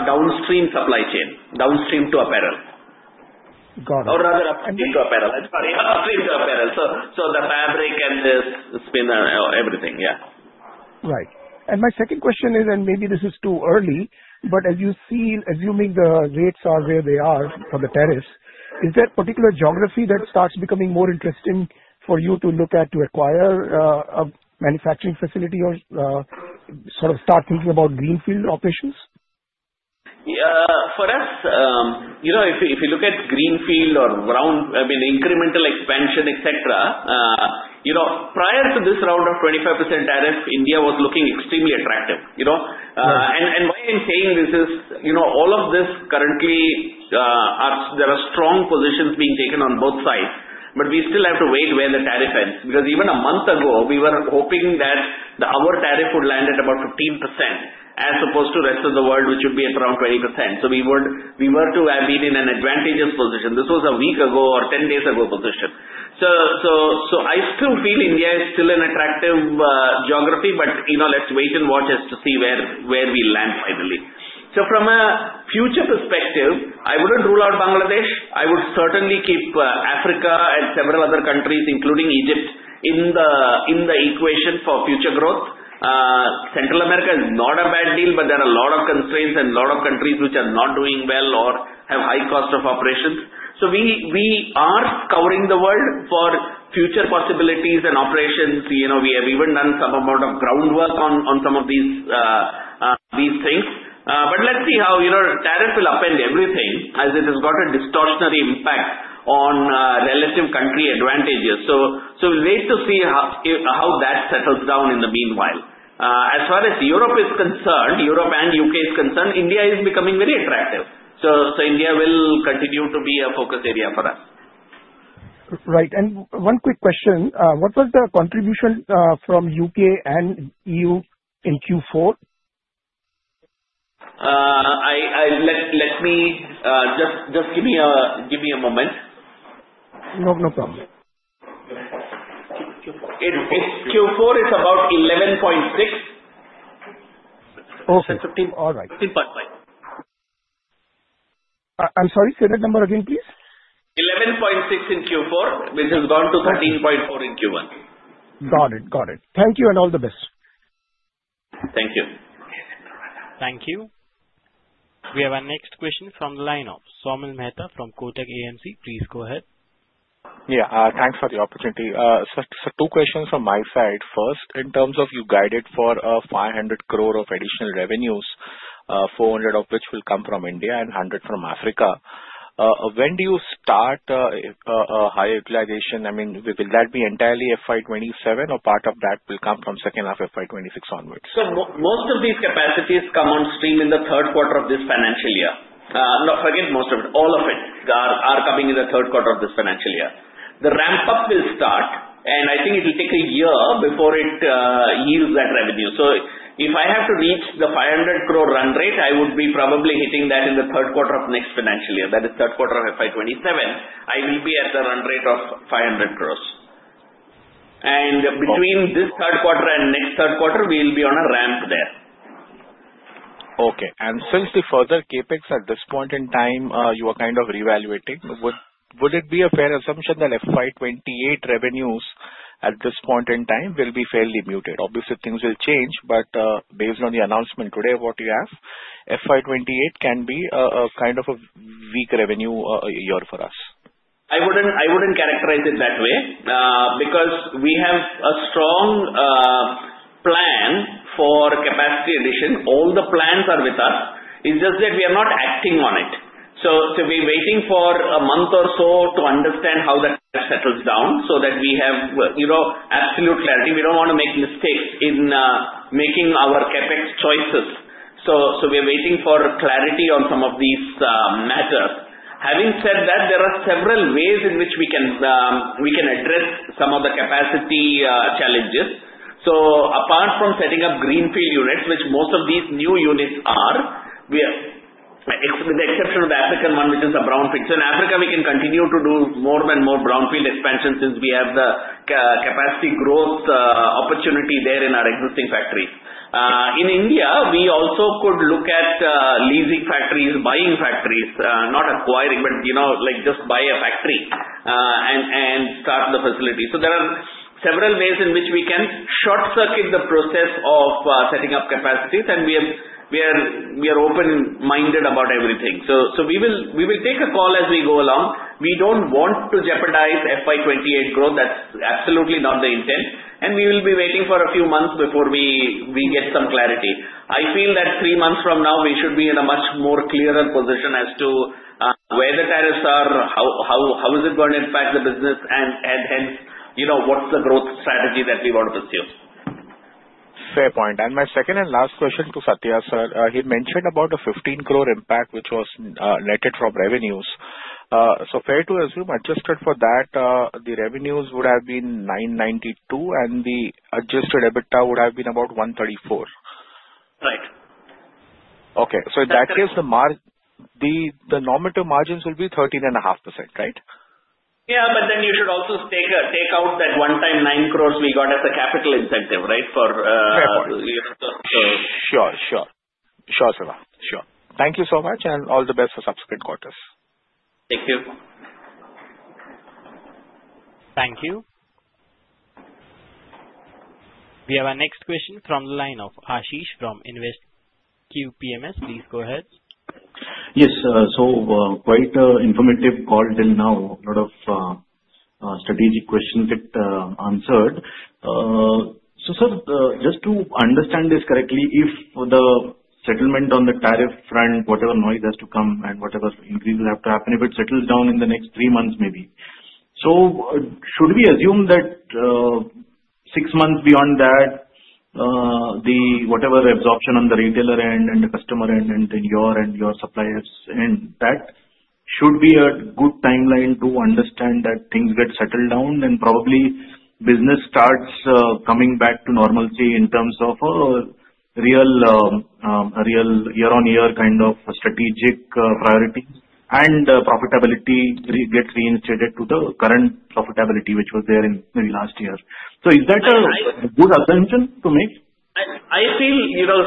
downstream supply chain, downstream to apparel. Got it. Or rather, upstream to apparel. Sorry, upstream to apparel. So the fabric and the spin and everything. Yeah. Right. And my second question is, and maybe this is too early, but as you see, assuming the rates are where they are for the tariffs, is there a particular geography that starts becoming more interesting for you to look at to acquire a manufacturing facility or sort of start thinking about greenfield operations? Yeah. For us, if you look at greenfield or brownfield, I mean, incremental expansion, etc., prior to this round of 25% tariff, India was looking extremely attractive. And why I'm saying this is all of this currently, there are strong positions being taken on both sides, but we still have to wait where the tariff ends. Because even a month ago, we were hoping that our tariff would land at about 15% as opposed to the rest of the world, which would be at around 20%. So we were to have been in an advantageous position. This was a week ago or 10 days ago position. So I still feel India is still an attractive geography, but let's wait and watch as to see where we land finally. So from a future perspective, I wouldn't rule out Bangladesh. I would certainly keep Africa and several other countries, including Egypt, in the equation for future growth. Central America is not a bad deal, but there are a lot of constraints and a lot of countries which are not doing well or have high cost of operations. So we are covering the world for future possibilities and operations. We have even done some amount of groundwork on some of these things. But let's see how tariff will upend everything as it has got a distortionary impact on relative country advantages. So we'll wait to see how that settles down in the meanwhile. As far as Europe is concerned, Europe and U.K. is concerned, India is becoming very attractive. So India will continue to be a focus area for us. Right. And one quick question. What was the contribution from UK and EU in Q4? Let me just give me a moment. No problem. Q4 is about 11.6. Okay. All right. 15.5. I'm sorry. Say that number again, please. 11.6 in Q4, which has gone to 13.4 in Q1. Got it. Got it. Thank you and all the best. Thank you. Thank you. We have our next question from the line of Saumil Mehta from Kotak AMC. Please go ahead. Yeah. Thanks for the opportunity. So two questions from my side first. In terms of you guided for 500 crore of additional revenues, 400 of which will come from India and 100 from Africa. When do you start high utilization? I mean, will that be entirely FY 2027 or part of that will come from second half of FY 2026 onwards? So most of these capacities come on stream in the third quarter of this financial year. Forget most of it. All of it are coming in the third quarter of this financial year. The ramp-up will start, and I think it will take a year before it yields that revenue. So if I have to reach the 500 crore run rate, I would be probably hitting that in the third quarter of next financial year. That is third quarter of FY 2027. I will be at the run rate of 500 crores. And between this third quarter and next third quarter, we will be on a ramp there. Okay. And since the further CapEx at this point in time, you are kind of reevaluating, would it be a fair assumption that FY 2028 revenues at this point in time will be fairly muted? Obviously, things will change, but based on the announcement today, what you have, FY 2028 can be a kind of a weak revenue year for us. I wouldn't characterize it that way because we have a strong plan for capacity addition. All the plans are with us. It's just that we are not acting on it. So we're waiting for a month or so to understand how that settles down so that we have absolute clarity. We don't want to make mistakes in making our CapEx choices. So we are waiting for clarity on some of these matters. Having said that, there are several ways in which we can address some of the capacity challenges. So apart from setting up greenfield units, which most of these new units are, with the exception of the African one, which is a brownfield. So in Africa, we can continue to do more and more brownfield expansion since we have the capacity growth opportunity there in our existing factories. In India, we also could look at leasing factories, buying factories, not acquiring, but just buy a factory and start the facility, so there are several ways in which we can short-circuit the process of setting up capacities, and we are open-minded about everything, so we will take a call as we go along. We don't want to jeopardize FY 28 growth. That's absolutely not the intent, and we will be waiting for a few months before we get some clarity. I feel that three months from now, we should be in a much more clearer position as to where the tariffs are, how is it going to impact the business, and hence, what's the growth strategy that we want to pursue. Fair point. And my second and last question to Sathya, sir. He mentioned about a 15 crore impact, which was netted from revenues. So, fair to assume adjusted for that, the revenues would have been 992, and the adjusted EBITDA would have been about 134. Right. Okay, so in that case, the normalized margins will be 13.5%, right? Yeah, but then you should also take out that one-time 90 million we got as a capital incentive, right, for. Fair point. Sure, Siva. Thank you so much, and all the best for subsequent quarters. Thank you. Thank you. We have our next question from the line of Ashish from InvesQ PMS. Please go ahead. Yes. So quite an informative call till now. A lot of strategic questions get answered. So sir, just to understand this correctly, if the settlement on the tariff front, whatever noise has to come and whatever increases have to happen, if it settles down in the next three months maybe, so should we assume that six months beyond that, the whatever absorption on the retailer end and the customer end and then you and your suppliers, and that should be a good timeline to understand that things get settled down and probably business starts coming back to normalcy in terms of real year-on-year kind of strategic priorities and profitability gets reinstated to the current profitability which was there in maybe last year. So is that a good assumption to make? I feel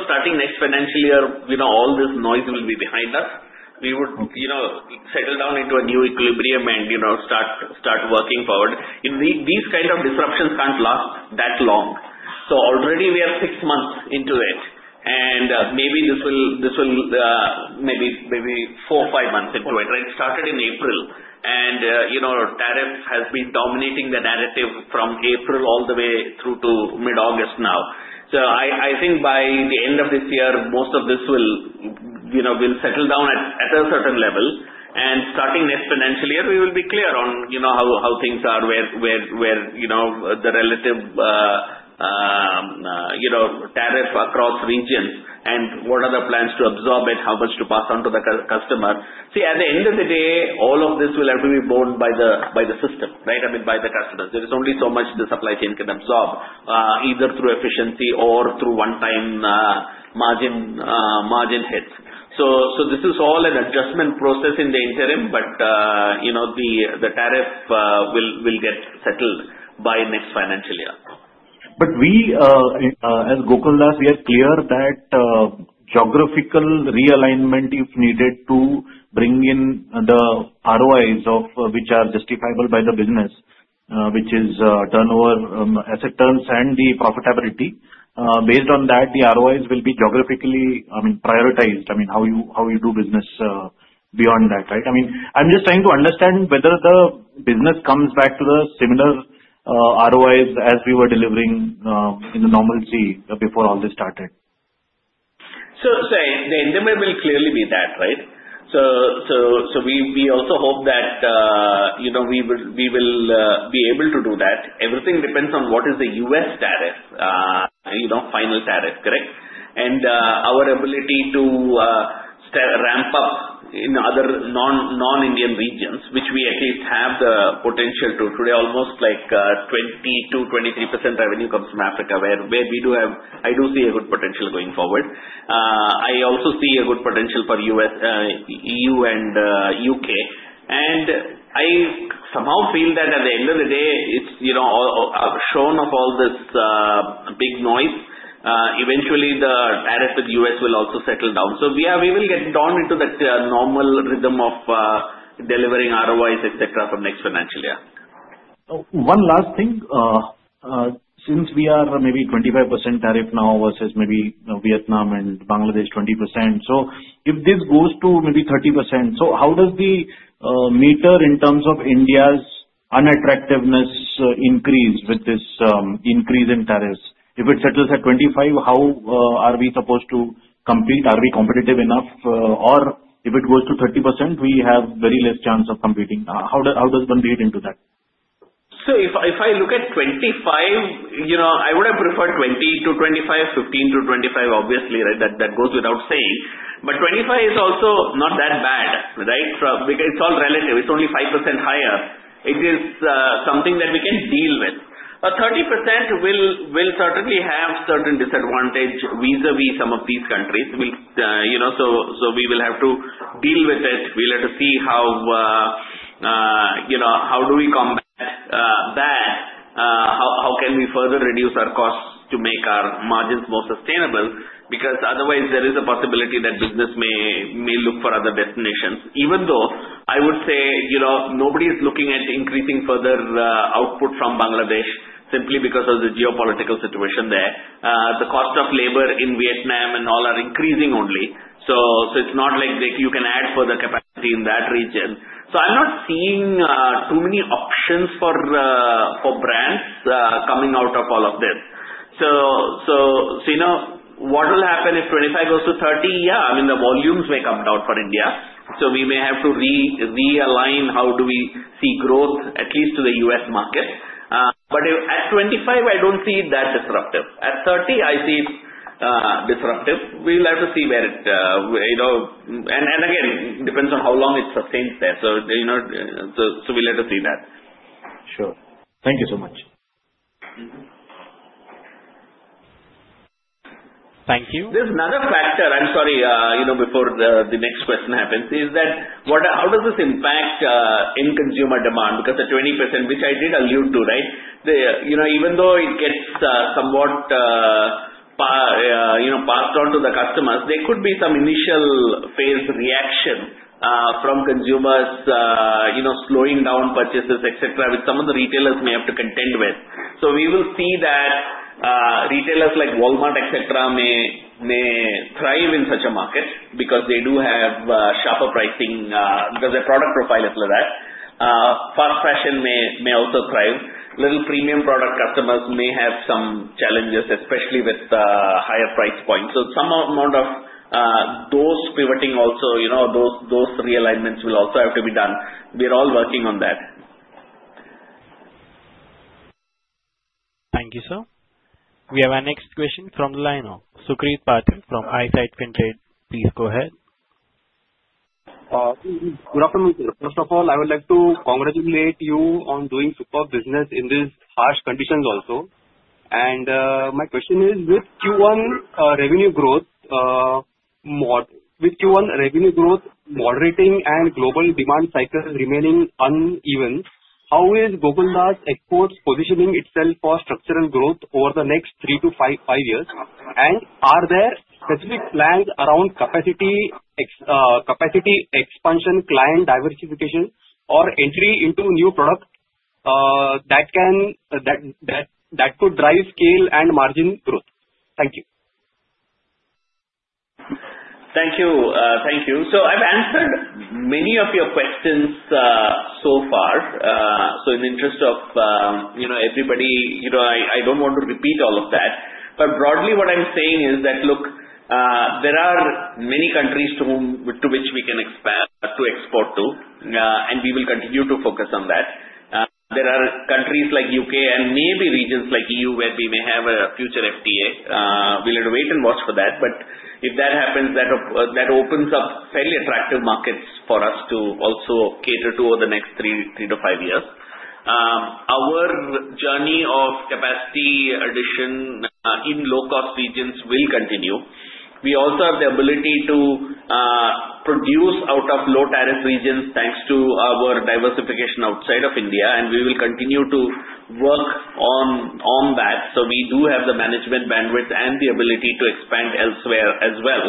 starting next financial year, all this noise will be behind us. We would settle down into a new equilibrium and start working forward. These kinds of disruptions can't last that long, so already we are six months into it, and maybe this will be four or five months into it. It started in April, and tariff has been dominating the narrative from April all the way through to mid-August now. I think by the end of this year, most of this will settle down at a certain level, and starting next financial year, we will be clear on how things are, where the relative tariff across regions and what are the plans to absorb it, how much to pass on to the customer. See, at the end of the day, all of this will have to be borne by the system, right? I mean, by the customers. There is only so much the supply chain can absorb either through efficiency or through one-time margin hits. So this is all an adjustment process in the interim, but the tariff will get settled by next financial year. but we, as Gokaldas, we are clear that geographical realignment, if needed, to bring in the ROIs which are justifiable by the business, which is turnover asset turns and the profitability. Based on that, the ROIs will be geographically, I mean, prioritized. I mean, how you do business beyond that, right? I mean, I'm just trying to understand whether the business comes back to the similar ROIs as we were delivering in the normalcy before all this started. So the endeavor will clearly be that, right? So we also hope that we will be able to do that. Everything depends on what is the U.S. tariff, final tariff, correct? And our ability to ramp up in other non-Indian regions, which we at least have the potential to today, almost like 20%-23% revenue comes from Africa, where I do see a good potential going forward. I also see a good potential for E.U. and U.K. And I somehow feel that at the end of the day, shorn of all this big noise, eventually the tariff with the U.S. will also settle down. So we will get down into that normal rhythm of delivering ROIs, etc., from next financial year. One last thing. Since we are maybe 25% tariff now versus maybe Vietnam and Bangladesh 20%, so if this goes to maybe 30%, so how does the matter in terms of India's unattractiveness increase with this increase in tariffs? If it settles at 25%, how are we supposed to compete? Are we competitive enough? Or if it goes to 30%, we have very less chance of competing. How does one read into that? So if I look at 25%, I would have preferred 20%-25%, 15%-25%, obviously, right? That goes without saying. But 25% is also not that bad, right? It's all relative. It's only 5% higher. It is something that we can deal with. 30% will certainly have certain disadvantages vis-à-vis some of these countries. So we will have to deal with it. We'll have to see how do we combat that? How can we further reduce our costs to make our margins more sustainable? Because otherwise, there is a possibility that business may look for other destinations. Even though I would say nobody is looking at increasing further output from Bangladesh simply because of the geopolitical situation there. The cost of labor in Vietnam and all are increasing only. So it's not like you can add further capacity in that region. So I'm not seeing too many options for brands coming out of all of this. So what will happen if 25 goes to 30? Yeah, I mean, the volumes may come down for India. So we may have to realign how do we see growth, at least to the U.S. market. But at 25, I don't see it that disruptive. At 30, I see it disruptive. We'll have to see where it and again, it depends on how long it sustains there. So we'll have to see that. Sure. Thank you so much. Thank you. There's another factor. I'm sorry, before the next question happens, is that how does this impact end-consumer demand? Because the 20%, which I did allude to, right? Even though it gets somewhat passed on to the customers, there could be some initial phase reaction from consumers slowing down purchases, etc., which some of the retailers may have to contend with. So we will see that retailers like Walmart, etc., may thrive in such a market because they do have sharper pricing because their product profile is like that. Fast fashion may also thrive. Little premium product customers may have some challenges, especially with the higher price points. So some amount of those pivoting also, those realignments will also have to be done. We are all working on that. Thank you, sir. We have our next question from the line of Sukrit Pathak from Insight Fintrade. Please go ahead. Good afternoon, sir. First of all, I would like to congratulate you on doing super business in these harsh conditions also. And my question is, with Q1 revenue growth moderating and global demand cycles remaining uneven, how is Gokaldas Exports positioning itself for structural growth over the next three to five years? And are there specific plans around capacity expansion, client diversification, or entry into new products that could drive scale and margin growth? Thank you. Thank you. Thank you. So I've answered many of your questions so far. So in the interest of everybody, I don't want to repeat all of that. But broadly, what I'm saying is that, look, there are many countries to which we can expand to export to, and we will continue to focus on that. There are countries like the U.K. and maybe regions like the E.U. where we may have a future FTA. We'll have to wait and watch for that. But if that happens, that opens up fairly attractive markets for us to also cater to over the next three to five years. Our journey of capacity addition in low-cost regions will continue. We also have the ability to produce out of low-tariff regions thanks to our diversification outside of India, and we will continue to work on that. So we do have the management bandwidth and the ability to expand elsewhere as well.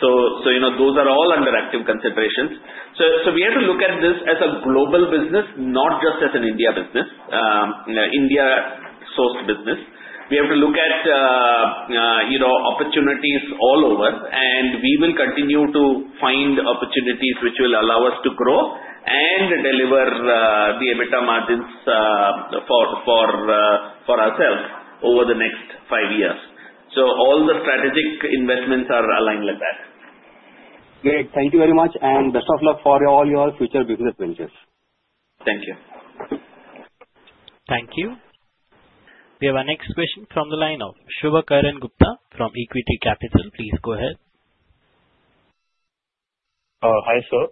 So those are all under active considerations. So we have to look at this as a global business, not just as an India business, India-sourced business. We have to look at opportunities all over, and we will continue to find opportunities which will allow us to grow and deliver the EBITDA margins for ourselves over the next five years. So all the strategic investments are aligned like that. Great. Thank you very much, and best of luck for all your future business ventures. Thank you. Thank you. We have our next question from the line of Shubham Gupta from Equitree Capital. Please go ahead. Hi, sir.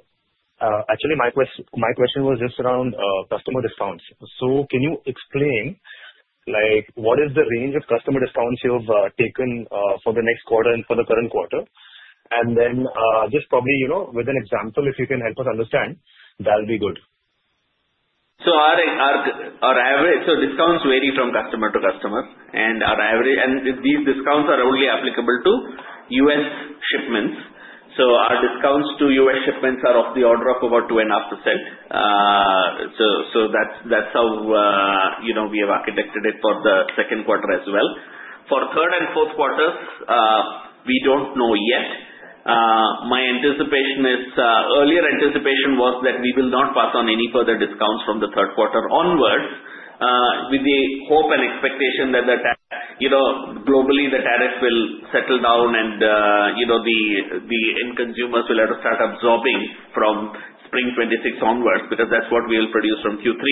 Actually, my question was just around customer discounts. So can you explain what is the range of customer discounts you have taken for the next quarter and for the current quarter? And then just probably with an example, if you can help us understand, that'll be good. Our average discounts vary from customer to customer. And these discounts are only applicable to U.S. shipments. So our discounts to U.S. shipments are of the order of about 2.5%. So that's how we have architected it for the second quarter as well. For third and fourth quarters, we don't know yet. My anticipation is earlier anticipation was that we will not pass on any further discounts from the third quarter onwards with the hope and expectation that globally the tariff will settle down and the end consumers will start absorbing from spring 2026 onwards because that's what we will produce from Q3.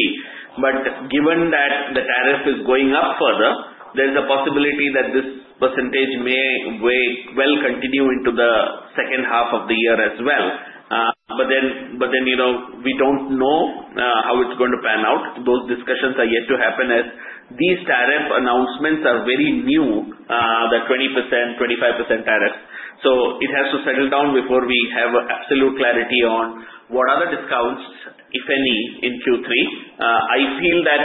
But given that the tariff is going up further, there's a possibility that this percentage may well continue into the second half of the year as well. But then we don't know how it's going to pan out. Those discussions are yet to happen as these tariff announcements are very new, the 20%, 25% tariffs. So it has to settle down before we have absolute clarity on what other discounts, if any, in Q3. I feel that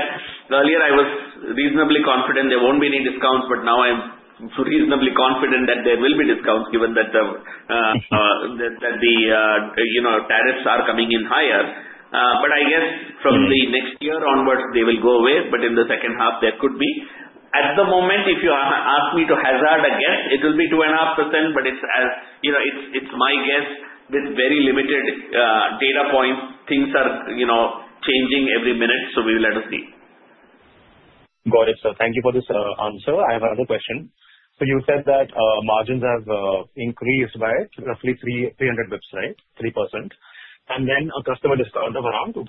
earlier I was reasonably confident there won't be any discounts, but now I'm reasonably confident that there will be discounts given that the tariffs are coming in higher. But I guess from the next year onwards, they will go away, but in the second half, there could be. At the moment, if you ask me to hazard a guess, it will be 2.5%, but it's my guess with very limited data points. Things are changing every minute, so we'll have to see. Got it, sir. Thank you for this answer. I have another question. So you said that margins have increased by roughly 300 basis points right? 3%. And then a customer discount of around 2.5%,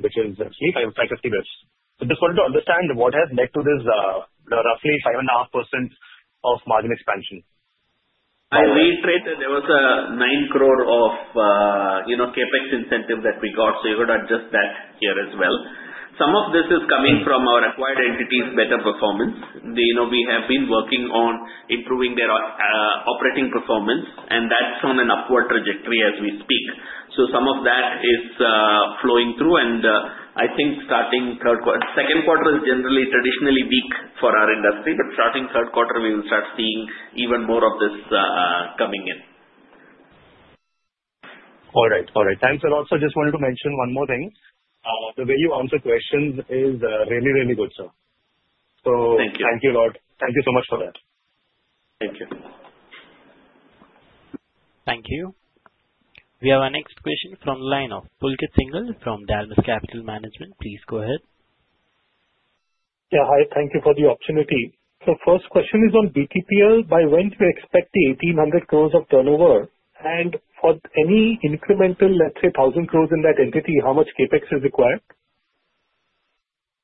which is roughly 550 basis points. I just wanted to understand what has led to this roughly 5.5% of margin expansion. I will reiterate that there was 9 crore of CapEx incentive that we got, so you've got to adjust that here as well. Some of this is coming from our acquired entities' better performance. We have been working on improving their operating performance, and that's on an upward trajectory as we speak. So some of that is flowing through, and I think starting second quarter is generally traditionally weak for our industry, but starting third quarter, we will start seeing even more of this coming in. All right. All right. Thanks. And also, I just wanted to mention one more thing. The way you answer questions is really, really good, sir. Thank you. Thank you a lot. Thank you so much for that. Thank you. Thank you. We have our next question from the line of Pulkit Singhal from Dalmus Capital Management. Please go ahead. Yeah. Hi. Thank you for the opportunity. So first question is on BTPL. By when do you expect the 1,800 crores of turnover? And for any incremental, let's say, 1,000 crores in that entity, how much CapEx is required?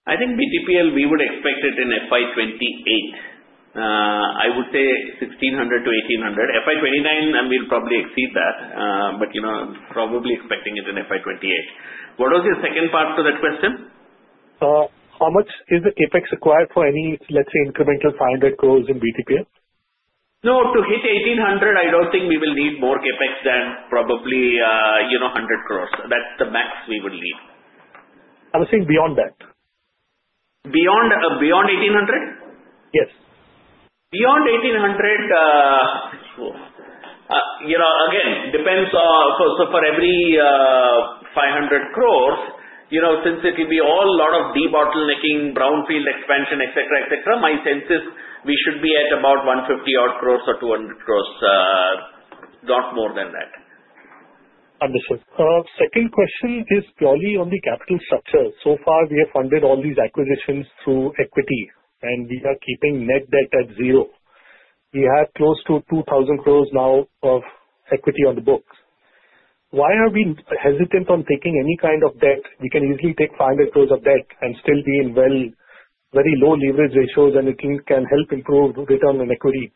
I think BTPL, we would expect it in FY28. I would say 1,600-1,800. FY29, we'll probably exceed that, but probably expecting it in FY28. What was your second part to that question? How much is the CapEx required for any, let's say, incremental 500 crores in BTPL? No. To hit 1,800, I don't think we will need more CapEx than probably 100 crores. That's the max we would need. I was saying beyond that. Beyond 1,800? Yes. Beyond 1,800, again, depends. So for every 500 crores, since it will be all a lot of de-bottlenecking, brownfield expansion, etc., etc., my sense is we should be at about 150-odd crores or 200 crores, not more than that. Understood. Second question is purely on the capital structure. So far, we have funded all these acquisitions through equity, and we are keeping net debt at zero. We have close to 2,000 crores now of equity on the books. Why are we hesitant on taking any kind of debt? We can easily take 500 crores of debt and still be in very low leverage ratios, and it can help improve return on equity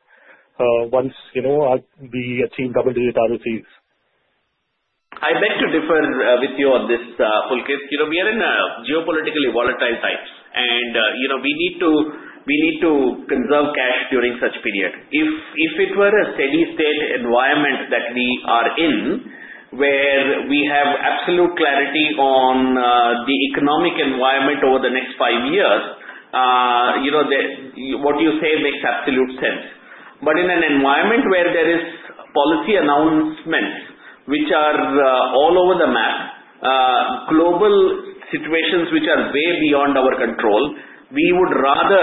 once we achieve double-digit ROCE. I'd like to differ with you on this, Pulkit. We are in a geopolitically volatile time, and we need to conserve cash during such a period. If it were a steady-state environment that we are in, where we have absolute clarity on the economic environment over the next five years, what you say makes absolute sense. But in an environment where there are policy announcements which are all over the map, global situations which are way beyond our control, we would rather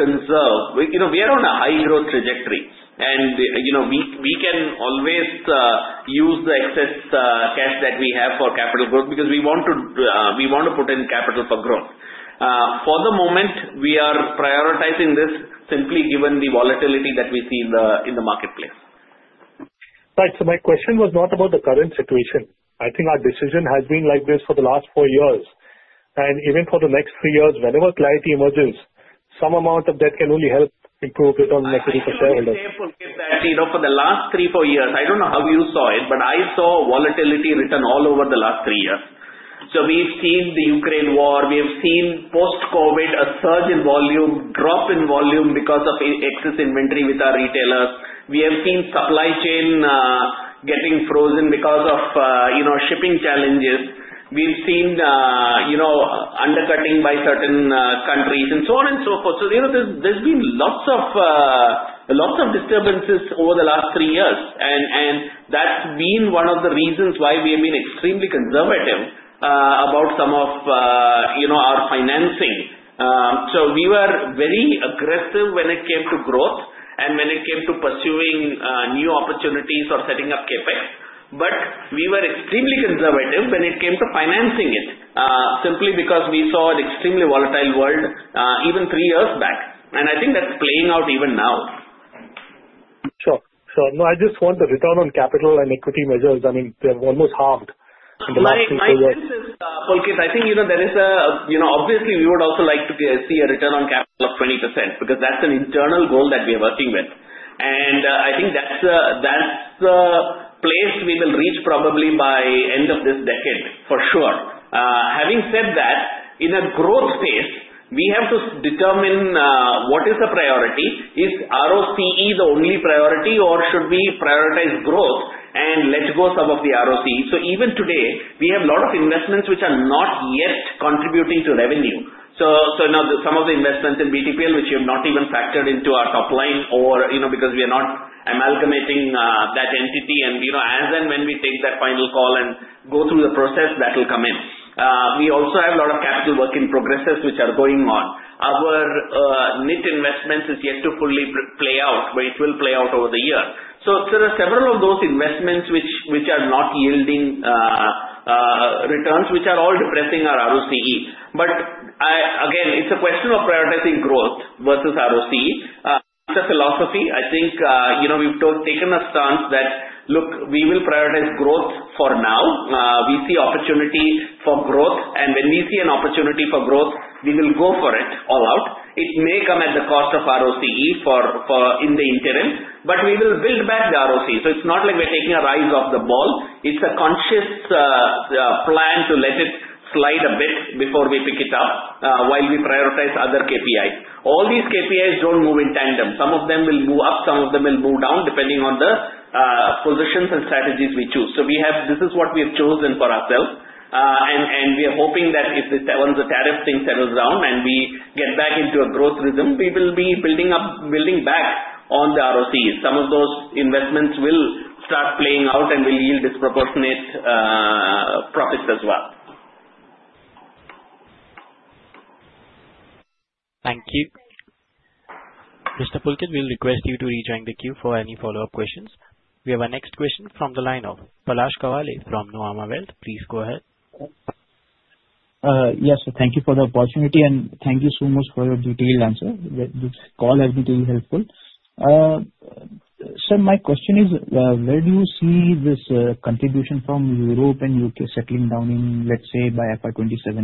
conserve. We are on a high-growth trajectory, and we can always use the excess cash that we have for capital growth because we want to put in capital for growth. For the moment, we are prioritizing this simply given the volatility that we see in the marketplace. Right. So my question was not about the current situation. I think our decision has been like this for the last four years, and even for the next three years, whenever clarity emerges, some amount of debt can only help improve return on equity for shareholders. I would say, Pulkit, that for the last three, four years, I don't know how you saw it, but I saw volatility return all over the last three years, so we've seen the Ukraine war. We have seen post-COVID a surge in volume, drop in volume because of excess inventory with our retailers. We have seen supply chain getting frozen because of shipping challenges. We've seen undercutting by certain countries and so on and so forth, so there's been lots of disturbances over the last three years, and that's been one of the reasons why we have been extremely conservative about some of our financing. We were very aggressive when it came to growth and when it came to pursuing new opportunities or setting up CapEx, but we were extremely conservative when it came to financing it simply because we saw an extremely volatile world even three years back. I think that's playing out even now. Sure. Sure. No, I just want the return on capital and equity measures. I mean, they're almost halved in the last three years. My sense is, Pulkit. I think there is obviously we would also like to see a return on capital of 20% because that's an internal goal that we are working with. And I think that's the place we will reach probably by the end of this decade, for sure. Having said that, in a growth phase, we have to determine what is the priority. Is ROCE the only priority, or should we prioritize growth and let go some of the ROCE? So even today, we have a lot of investments which are not yet contributing to revenue. So some of the investments in BTPL, which we have not even factored into our top line because we are not amalgamating that entity. And as and when we take that final call and go through the process, that will come in. We also have a lot of capital works in progress which are going on. Our net investments is yet to fully play out, but it will play out over the year. So there are several of those investments which are not yielding returns which are all depressing our ROCE. But again, it's a question of prioritizing growth versus ROCE. It's a philosophy. I think we've taken a stance that, look, we will prioritize growth for now. We see opportunity for growth, and when we see an opportunity for growth, we will go for it all out. It may come at the cost of ROCE in the interim, but we will build back the ROCE. So it's not like we're taking our eyes off the ball. It's a conscious plan to let it slide a bit before we pick it up while we prioritize other KPIs. All these KPIs don't move in tandem. Some of them will move up. Some of them will move down depending on the positions and strategies we choose. So this is what we have chosen for ourselves. And we are hoping that if the tariff thing settles down and we get back into a growth rhythm, we will be building back on the ROCE. Some of those investments will start playing out and will yield disproportionate profits as well. Thank you. Mr. Pulkit, we'll request you to rejoin the queue for any follow-up questions. We have our next question from the line of Palash Kawale from Nuvama Wealth. Please go ahead. Yes, sir. Thank you for the opportunity, and thank you so much for your detailed answer. This call has been really helpful. Sir, my question is, where do you see this contribution from Europe and UK settling down in, let's say, by FY27?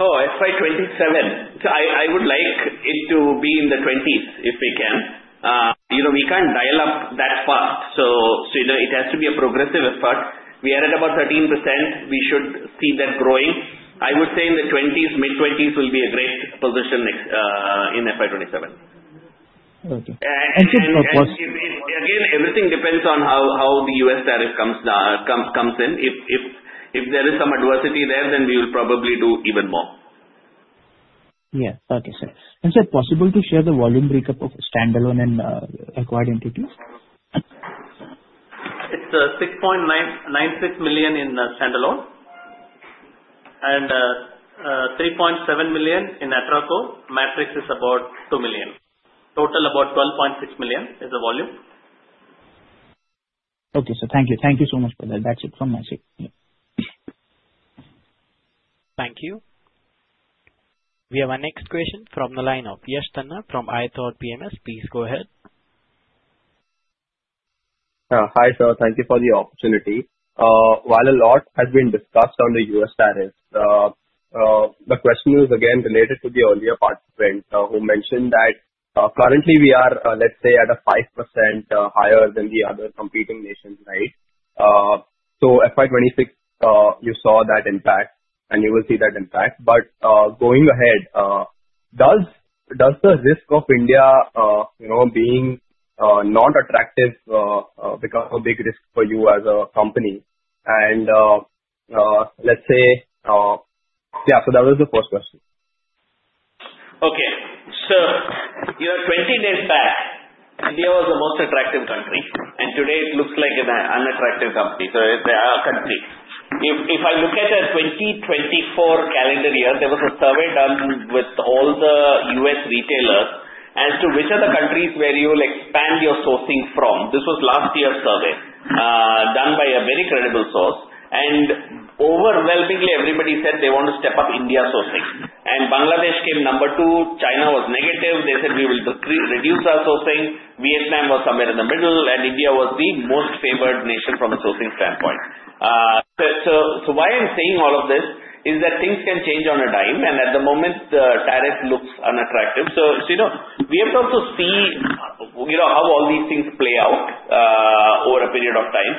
Oh, FY27. So I would like it to be in the 20s if we can. We can't dial up that fast. So it has to be a progressive effort. We are at about 13%. We should see that growing. I would say in the 20s, mid-20s will be a great position in FY27. And again, everything depends on how the U.S. tariff comes in. If there is some adversity there, then we will probably do even more. Yes. Okay, sir. And sir, possible to share the volume breakup of standalone and acquired entities? It's 6.96 million in standalone, and 3.7 million in Atraco. Matrix is about 2 million. Total about 12.6 million is the volume. Okay, sir. Thank you. Thank you so much for that. That's it from my side. Thank you. We have our next question from the line of Yash Tanna from iThought PMS. Please go ahead. Hi, sir. Thank you for the opportunity. While a lot has been discussed on the U.S. tariff, the question is again related to the earlier part, who mentioned that currently we are, let's say, at a 5% higher than the other competing nations, right? So FY26, you saw that impact, and you will see that impact. But going ahead, does the risk of India being not attractive become a big risk for you as a company? And let's say, yeah, so that was the first question. Okay. So 20 years back, India was the most attractive country, and today it looks like an unattractive country. So there are countries. If I look at the 2024 calendar year, there was a survey done with all the U.S. retailers as to which are the countries where you will expand your sourcing from. This was last year's survey done by a very credible source. And overwhelmingly, everybody said they want to step up India sourcing. And Bangladesh came number two. China was negative. They said we will reduce our sourcing. Vietnam was somewhere in the middle, and India was the most favored nation from a sourcing standpoint. So why I'm saying all of this is that things can change on a dime, and at the moment, the tariff looks unattractive. So we have to also see how all these things play out over a period of time.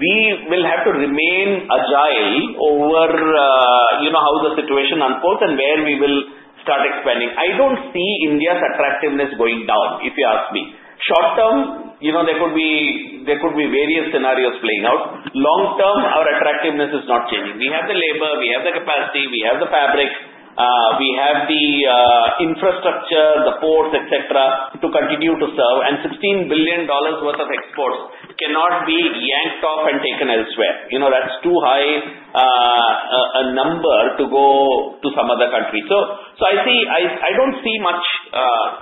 We will have to remain agile over how the situation unfolds and where we will start expanding. I don't see India's attractiveness going down, if you ask me. Short term, there could be various scenarios playing out. Long term, our attractiveness is not changing. We have the labor. We have the capacity. We have the fabric. We have the infrastructure, the ports, etc., to continue to serve, and $16 billion worth of exports cannot be yanked off and taken elsewhere. That's too high a number to go to some other country, so I don't see much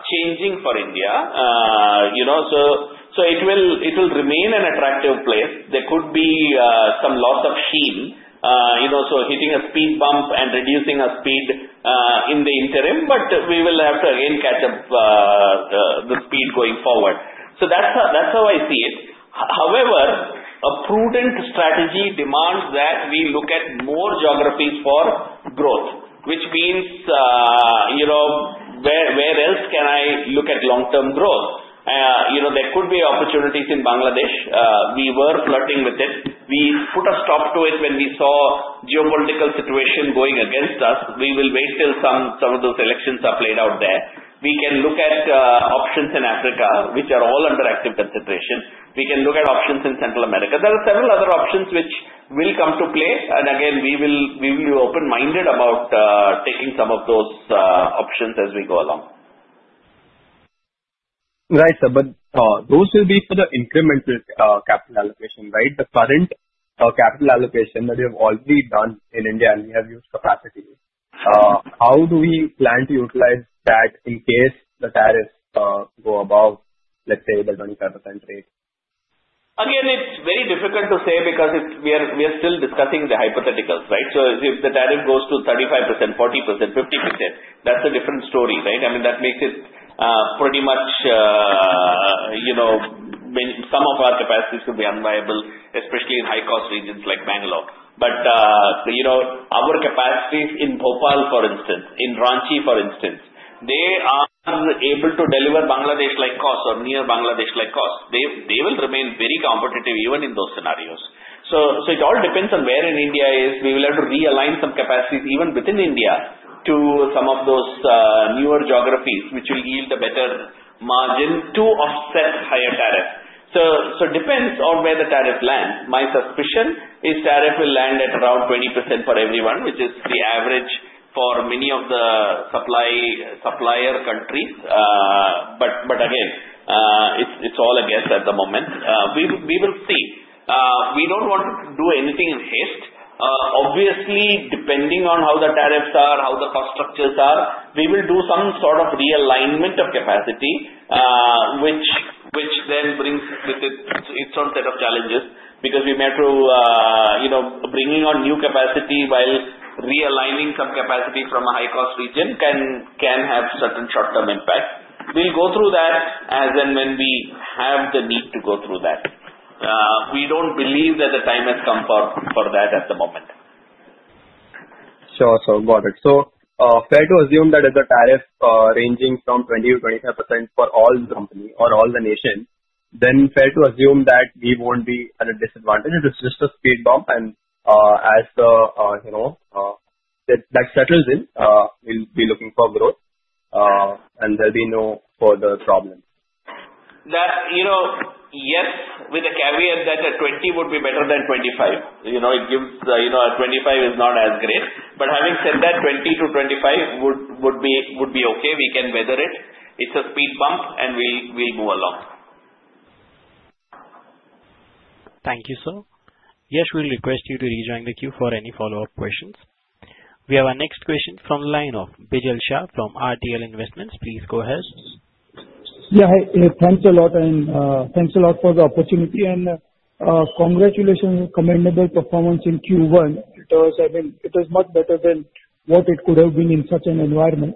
changing for India, so it will remain an attractive place. There could be some loss of sheen, so hitting a speed bump and reducing our speed in the interim, but we will have to again catch up the speed going forward, so that's how I see it. However, a prudent strategy demands that we look at more geographies for growth, which means where else can I look at long-term growth? There could be opportunities in Bangladesh. We were flirting with it. We put a stop to it when we saw geopolitical situation going against us. We will wait till some of those elections are played out there. We can look at options in Africa, which are all under active consideration. We can look at options in Central America. There are several other options which will come to play, and again, we will be open-minded about taking some of those options as we go along. Right, sir. But those will be for the incremental capital allocation, right? The current capital allocation that we have already done in India, and we have used capacity. How do we plan to utilize that in case the tariffs go above, let's say, the 25% rate? Again, it's very difficult to say because we are still discussing the hypotheticals, right? So if the tariff goes to 35%, 40%, 50%, that's a different story, right? I mean, that makes it pretty much some of our capacities could be unviable, especially in high-cost regions like Bangalore. But our capacities in Bhopal, for instance, in Ranchi, for instance, they are able to deliver Bangladesh-like costs or near Bangladesh-like costs. They will remain very competitive even in those scenarios. So it all depends on where in India is. We will have to realign some capacities even within India to some of those newer geographies, which will yield a better margin to offset higher tariffs. So it depends on where the tariff lands. My suspicion is tariff will land at around 20% for everyone, which is the average for many of the supplier countries. But again, it's all a guess at the moment. We will see. We don't want to do anything in haste. Obviously, depending on how the tariffs are, how the cost structures are, we will do some sort of realignment of capacity, which then brings its own set of challenges because we have to bring on new capacity while realigning some capacity from a high-cost region can have certain short-term impact. We'll go through that as and when we have the need to go through that. We don't believe that the time has come for that at the moment. Sure. Sure. Got it. So fair to assume that if the tariff is ranging from 20%-25% for all the company or all the nations, then fair to assume that we won't be at a disadvantage. It is just a speed bump, and as that settles in, we'll be looking for growth, and there'll be no further problem. Yes, with the caveat that 20 would be better than 25. Having 25 is not as great. But having said that, 20 to 25 would be okay. We can weather it. It's a speed bump, and we'll move along. Thank you, sir. Yes, we'll request you to rejoin the queue for any follow-up questions. We have our next question from the line of Bijal Shah from RDL Investments. Please go ahead. Yeah. Thanks a lot. And thanks a lot for the opportunity. And congratulations, commendable performance in Q1. It was much better than what it could have been in such an environment.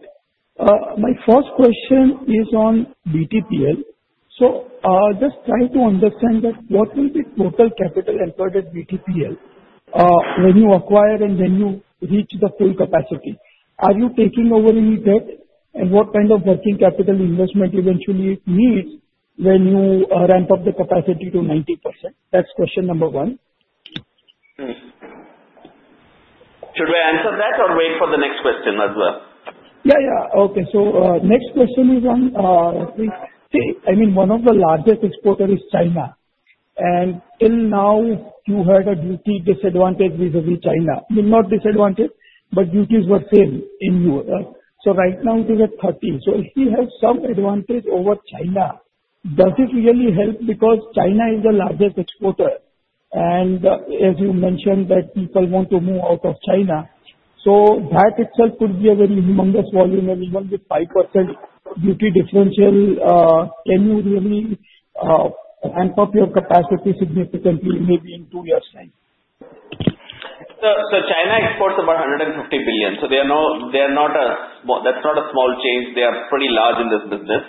My first question is on BTPL. So just trying to understand that what will be total capital employed at BTPL when you acquire and then you reach the full capacity? Are you taking over any debt? And what kind of working capital investment eventually it needs when you ramp up the capacity to 90%? That's question number one. Should we answer that or wait for the next question as well? Yeah, yeah. Okay. So next question is on, I mean, one of the largest exporters is China. And till now, you had a duty disadvantage vis-à-vis China. Not disadvantage, but duties were same in Europe. So right now, it is at 13. So if we have some advantage over China, does it really help? Because China is the largest exporter. And as you mentioned that people want to move out of China. So that itself could be a very humongous volume. And even with 5% duty differential, can you really ramp up your capacity significantly maybe in two years' time? China exports about $150 billion. They are not. That's not a small change. They are pretty large in this business.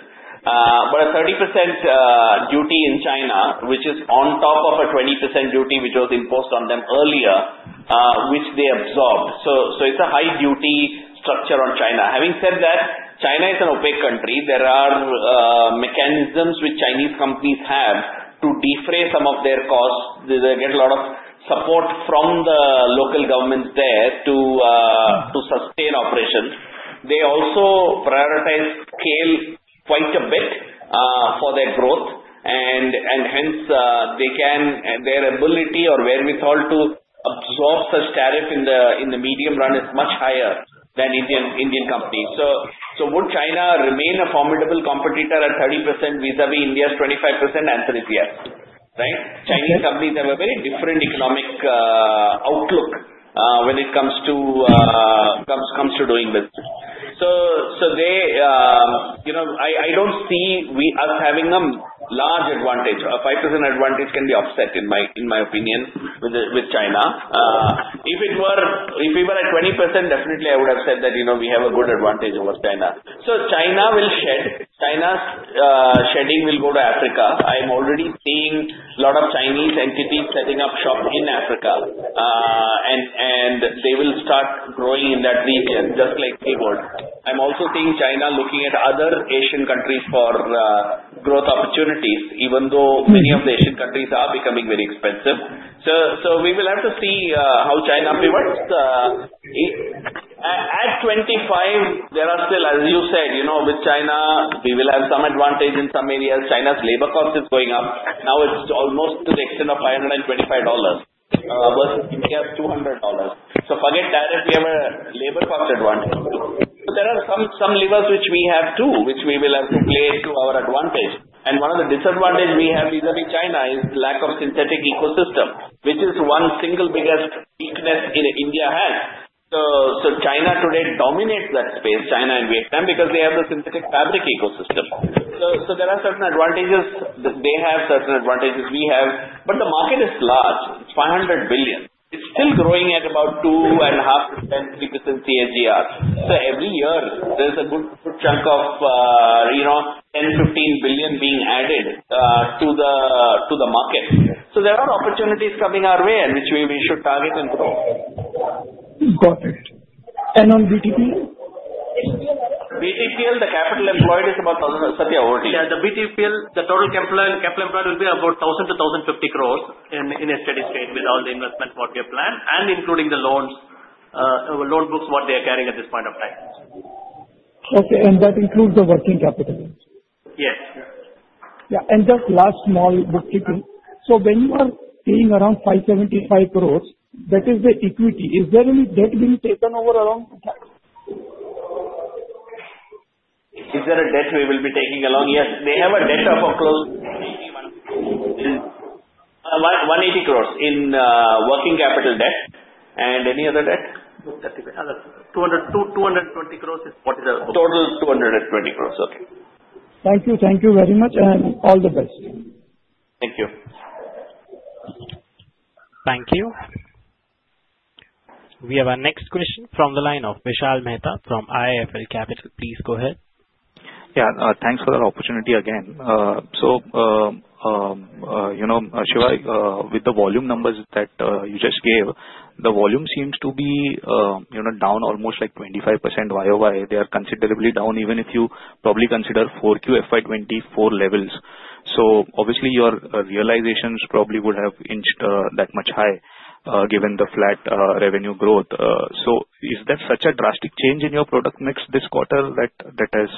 But a 30% duty in China, which is on top of a 20% duty which was imposed on them earlier, which they absorbed. It's a high duty structure on China. Having said that, China is an opaque country. There are mechanisms which Chinese companies have to defray some of their costs. They get a lot of support from the local governments there to sustain operations. They also prioritize scale quite a bit for their growth. And hence, their ability or wherewithal to absorb such tariff in the medium run is much higher than Indian companies. Would China remain a formidable competitor at 30% vis-à-vis India's 25%? Answer is yes, right? Chinese companies have a very different economic outlook when it comes to doing business. So I don't see us having a large advantage. A 5% advantage can be offset, in my opinion, with China. If we were at 20%, definitely, I would have said that we have a good advantage over China. So China will shed. China's shedding will go to Africa. I'm already seeing a lot of Chinese entities setting up shop in Africa. And they will start growing in that region just like they would. I'm also seeing China looking at other Asian countries for growth opportunities, even though many of the Asian countries are becoming very expensive. So we will have to see how China pivots. At 25, there are still, as you said, with China, we will have some advantage in some areas. China's labor cost is going up. Now it's almost to the extent of $525 versus India's $200. So forget tariff, we have a labor cost advantage. So there are some levers which we have too, which we will have to play to our advantage. And one of the disadvantages we have vis-à-vis China is lack of synthetic ecosystem, which is one single biggest weakness India has. So China today dominates that space, China and Vietnam, because they have the synthetic fabric ecosystem. So there are certain advantages. They have certain advantages. We have. But the market is large. It's $500 billion. It's still growing at about 2.5%-3% CAGR. So every year, there's a good chunk of $10 billion-$15 billion being added to the market. So there are opportunities coming our way in which we should target and grow. Got it. And on BTPL? BTPL, the capital employed is about 1,000. Yeah. The BTPL, the total capital employed will be about 1,000-1,050 crores in a steady state with all the investment what we have planned and including the loan books what they are carrying at this point of time. Okay, and that includes the working capital? Yes. Yeah. And just last small bookkeeping. So when you are paying around 575 crores, that is the equity. Is there any debt being taken over around? Is there a debt we will be taking along? Yes. They have a debt of 180 crores in working capital debt. And any other debt? 220 crores is what is the. Total 220 crores. Okay. Thank you. Thank you very much. And all the best. Thank you. Thank you. We have our next question from the line of Vishal Mehta from IIFL Capital. Please go ahead. Yeah. Thanks for the opportunity again. So Siva, with the volume numbers that you just gave, the volume seems to be down almost like 25% YOY. They are considerably down even if you probably consider 4Q FY24 levels. So obviously, your realizations probably would have inched that much high given the flat revenue growth. So is that such a drastic change in your product mix this quarter that has?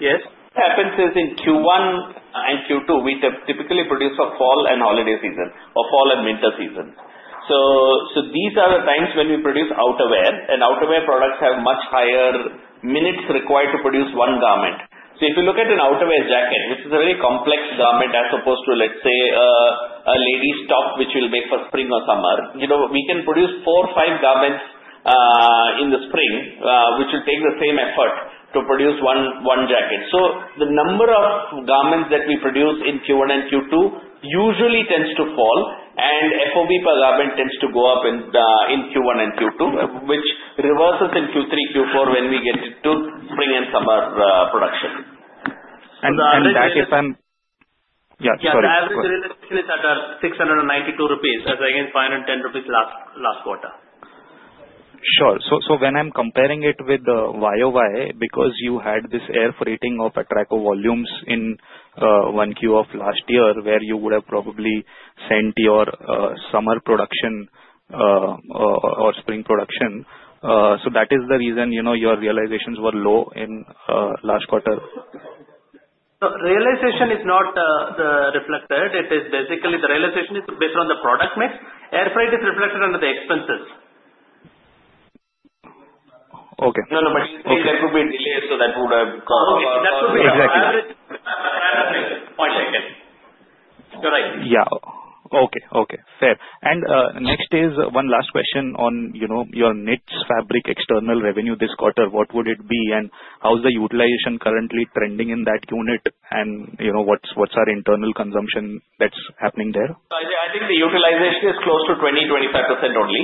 Yes. What happens is in Q1 and Q2, we typically produce a fall and holiday season or fall and winter season. So these are the times when we produce outerwear. And outerwear products have much higher minutes required to produce one garment. So if you look at an outerwear jacket, which is a very complex garment as opposed to, let's say, a lady's top, which will make for spring or summer, we can produce four or five garments in the spring, which will take the same effort to produce one jacket. So the number of garments that we produce in Q1 and Q2 usually tends to fall. And FOB per garment tends to go up in Q1 and Q2, which reverses in Q3, Q4 when we get into spring and summer production. That if I'm. Yeah. Sorry. Yeah. The average realization is at 692 rupees, as against 510 rupees last quarter. Sure. So when I'm comparing it with the YOY, because you had this air freighting of Atraco volumes in one Q of last year where you would have probably sent your summer production or spring production. So that is the reason your realizations were low in last quarter. The realization is not reflected. It is basically the realization is based on the product mix. Air freight is reflected under the expenses. Okay. No, no. But if there could be delays, so that would have caused. Okay. That would be the average point I get. You're right. Yeah. Okay. Okay. Fair. Next is one last question on your knit fabric external revenue this quarter. What would it be? And how's the utilization currently trending in that unit? And what's our internal consumption that's happening there? I think the utilization is close to 20%-25% only.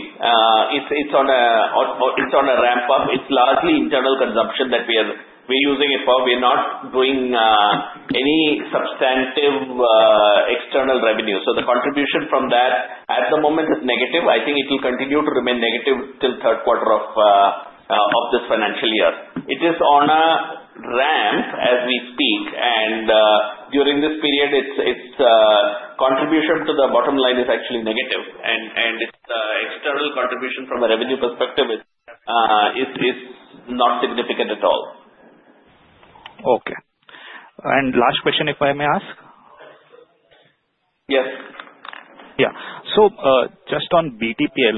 It's on a ramp up. It's largely internal consumption that we are using it for. We are not doing any substantive external revenue. So the contribution from that at the moment is negative. I think it will continue to remain negative till third quarter of this financial year. It is on a ramp as we speak. And during this period, its contribution to the bottom line is actually negative. And its external contribution from a revenue perspective is not significant at all. Okay. And last question, if I may ask? Yes. Yeah. So just on BTPL,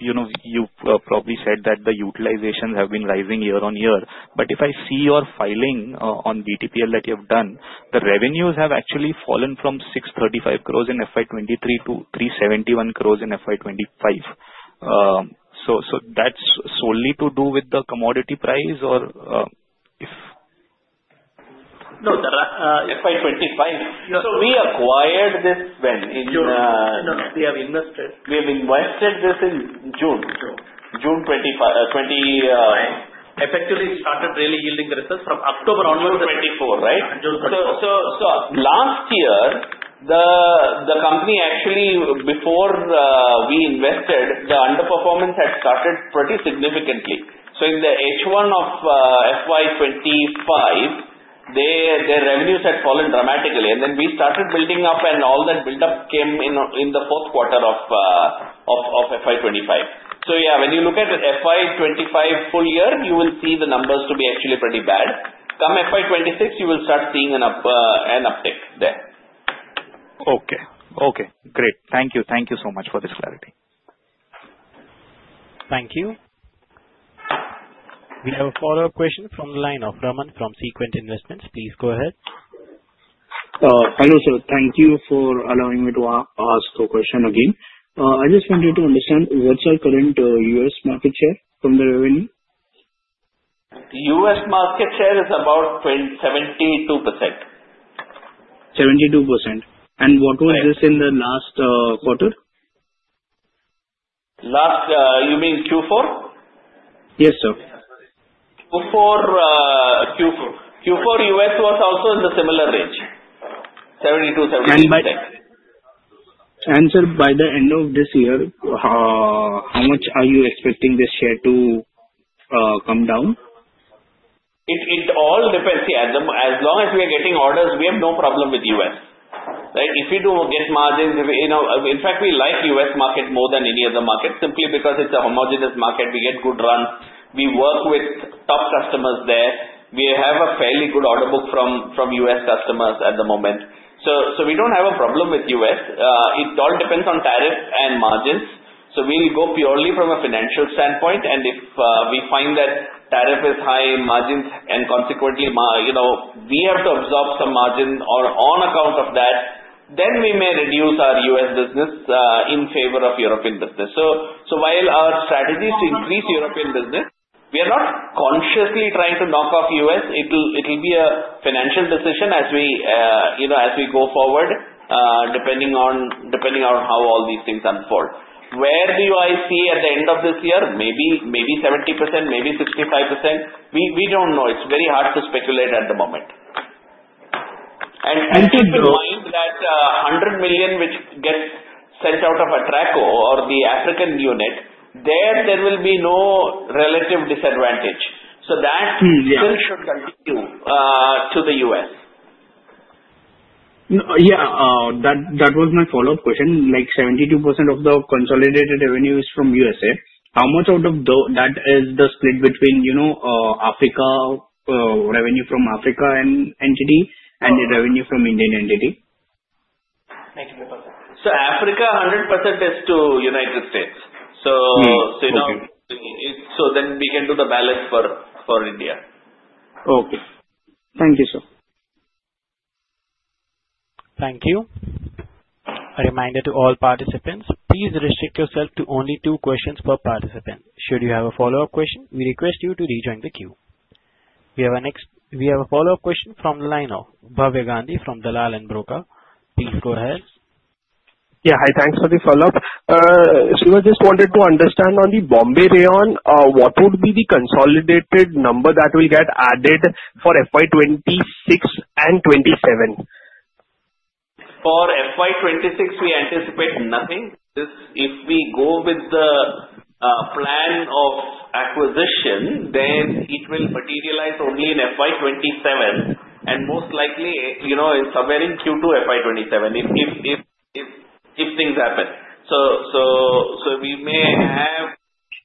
you probably said that the utilizations have been rising year on year. But if I see your filing on BTPL that you have done, the revenues have actually fallen from 635 crores in FY23 to 371 crores in FY25. So that's solely to do with the commodity price or if? No. FY25. So we acquired this when? June. We have invested. We have invested this in June. June. June 25. Effectively, it started really yielding the results from October onwards. June 24, right? So last year, the company actually, before we invested, the underperformance had started pretty significantly. So in the H1 of FY25, their revenues had fallen dramatically. And then we started building up. And all that buildup came in the fourth quarter of FY25. So yeah, when you look at FY25 full year, you will see the numbers to be actually pretty bad. Come FY26, you will start seeing an uptick there. Okay. Okay. Great. Thank you. Thank you so much for this clarity. Thank you. We have a follow-up question from the line of Raman from Sequent Investments. Please go ahead. Hello, sir. Thank you for allowing me to ask a question again. I just wanted to understand what's our current U.S. market share from the revenue? U.S. market share is about 72%. 72%. And what was this in the last quarter? Last, you mean Q4? Yes, sir. Q4 U.S. was also in the similar range, 72%-73%. Sir, by the end of this year, how much are you expecting this share to come down? It all depends. Yeah. As long as we are getting orders, we have no problem with U.S., right? If we do get margins, in fact, we like U.S. market more than any other market simply because it's a homogeneous market. We get good runs. We work with top customers there. We have a fairly good order book from U.S. customers at the moment. So we don't have a problem with U.S. It all depends on tariff and margins. So we'll go purely from a financial standpoint. And if we find that tariff is high, margins, and consequently, we have to absorb some margin on account of that, then we may reduce our U.S. business in favor of European business. So while our strategy is to increase European business, we are not consciously trying to knock off U.S. It'll be a financial decision as we go forward, depending on how all these things unfold. Where do I see at the end of this year? Maybe 70%, maybe 65%. We don't know. It's very hard to speculate at the moment. And keep in mind that $100 million which gets sent out of Atraco or the African unit, there will be no relative disadvantage. So that still should continue to the US. Yeah. That was my follow-up question. Like 72% of the consolidated revenue is from USA. How much out of that is the split between African revenue from African entity and the revenue from Indian entity? 95%. So, Africa 100% is to United States. So then we can do the balance for India. Okay. Thank you, sir. Thank you. A reminder to all participants, please restrict yourself to only two questions per participant. Should you have a follow-up question, we request you to rejoin the queue. We have a follow-up question from the line of Bhavya Gandhi from Dalal & Broacha. Please go ahead. Yeah. Hi. Thanks for the follow-up. Siva, just wanted to understand on the Bombay Rayon, what would be the consolidated number that will get added for FY26 and 27? For FY26, we anticipate nothing. If we go with the plan of acquisition, then it will materialize only in FY27. And most likely, it's somewhere in Q2 FY27 if things happen. So we may have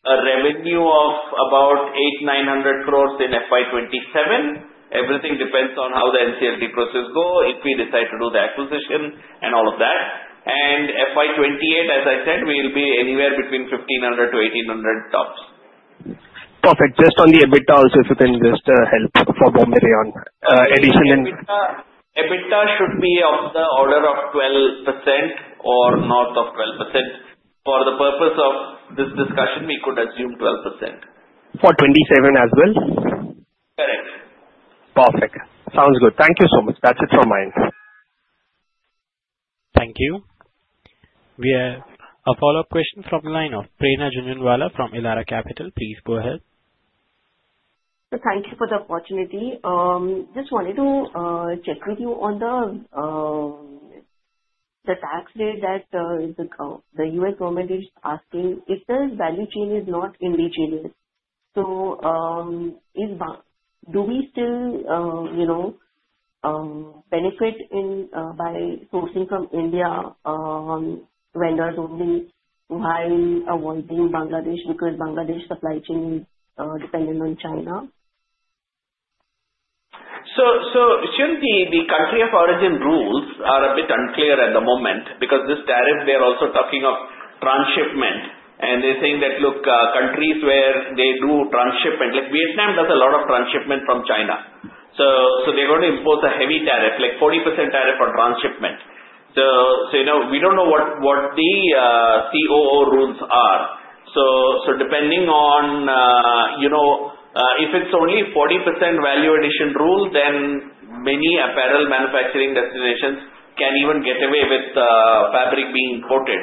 a revenue of about 8,900 crores in FY27. Everything depends on how the NCLT process goes if we decide to do the acquisition and all of that. And FY28, as I said, we'll be anywhere between 1,500-1,800 tops. Perfect. Just on the EBITDA also, if you can just help for Bombay Rayon addition in. EBITDA should be of the order of 12% or north of 12%. For the purpose of this discussion, we could assume 12%. For 27 as well? Correct. Perfect. Sounds good. Thank you so much. That's it from my end. Thank you. We have a follow-up question from the line of Prerna Jhunjhunwala from Elara Capital. Please go ahead. Thank you for the opportunity. Just wanted to check with you on the tax rate that the U.S. government is asking. If the value chain is not indigenous, so do we still benefit by sourcing from Indian vendors only while avoiding Bangladesh because Bangladesh supply chain is dependent on China? So, sure, the country of origin rules are a bit unclear at the moment because this tariff. They're also talking of transshipment. And they're saying that, "Look, countries where they do transshipment, like Vietnam does a lot of transshipment from China." So they're going to impose a heavy tariff, like 40% tariff on transshipment. So we don't know what the COO rules are. So depending on if it's only 40% value addition rule, then many apparel manufacturing destinations can even get away with fabric being imported.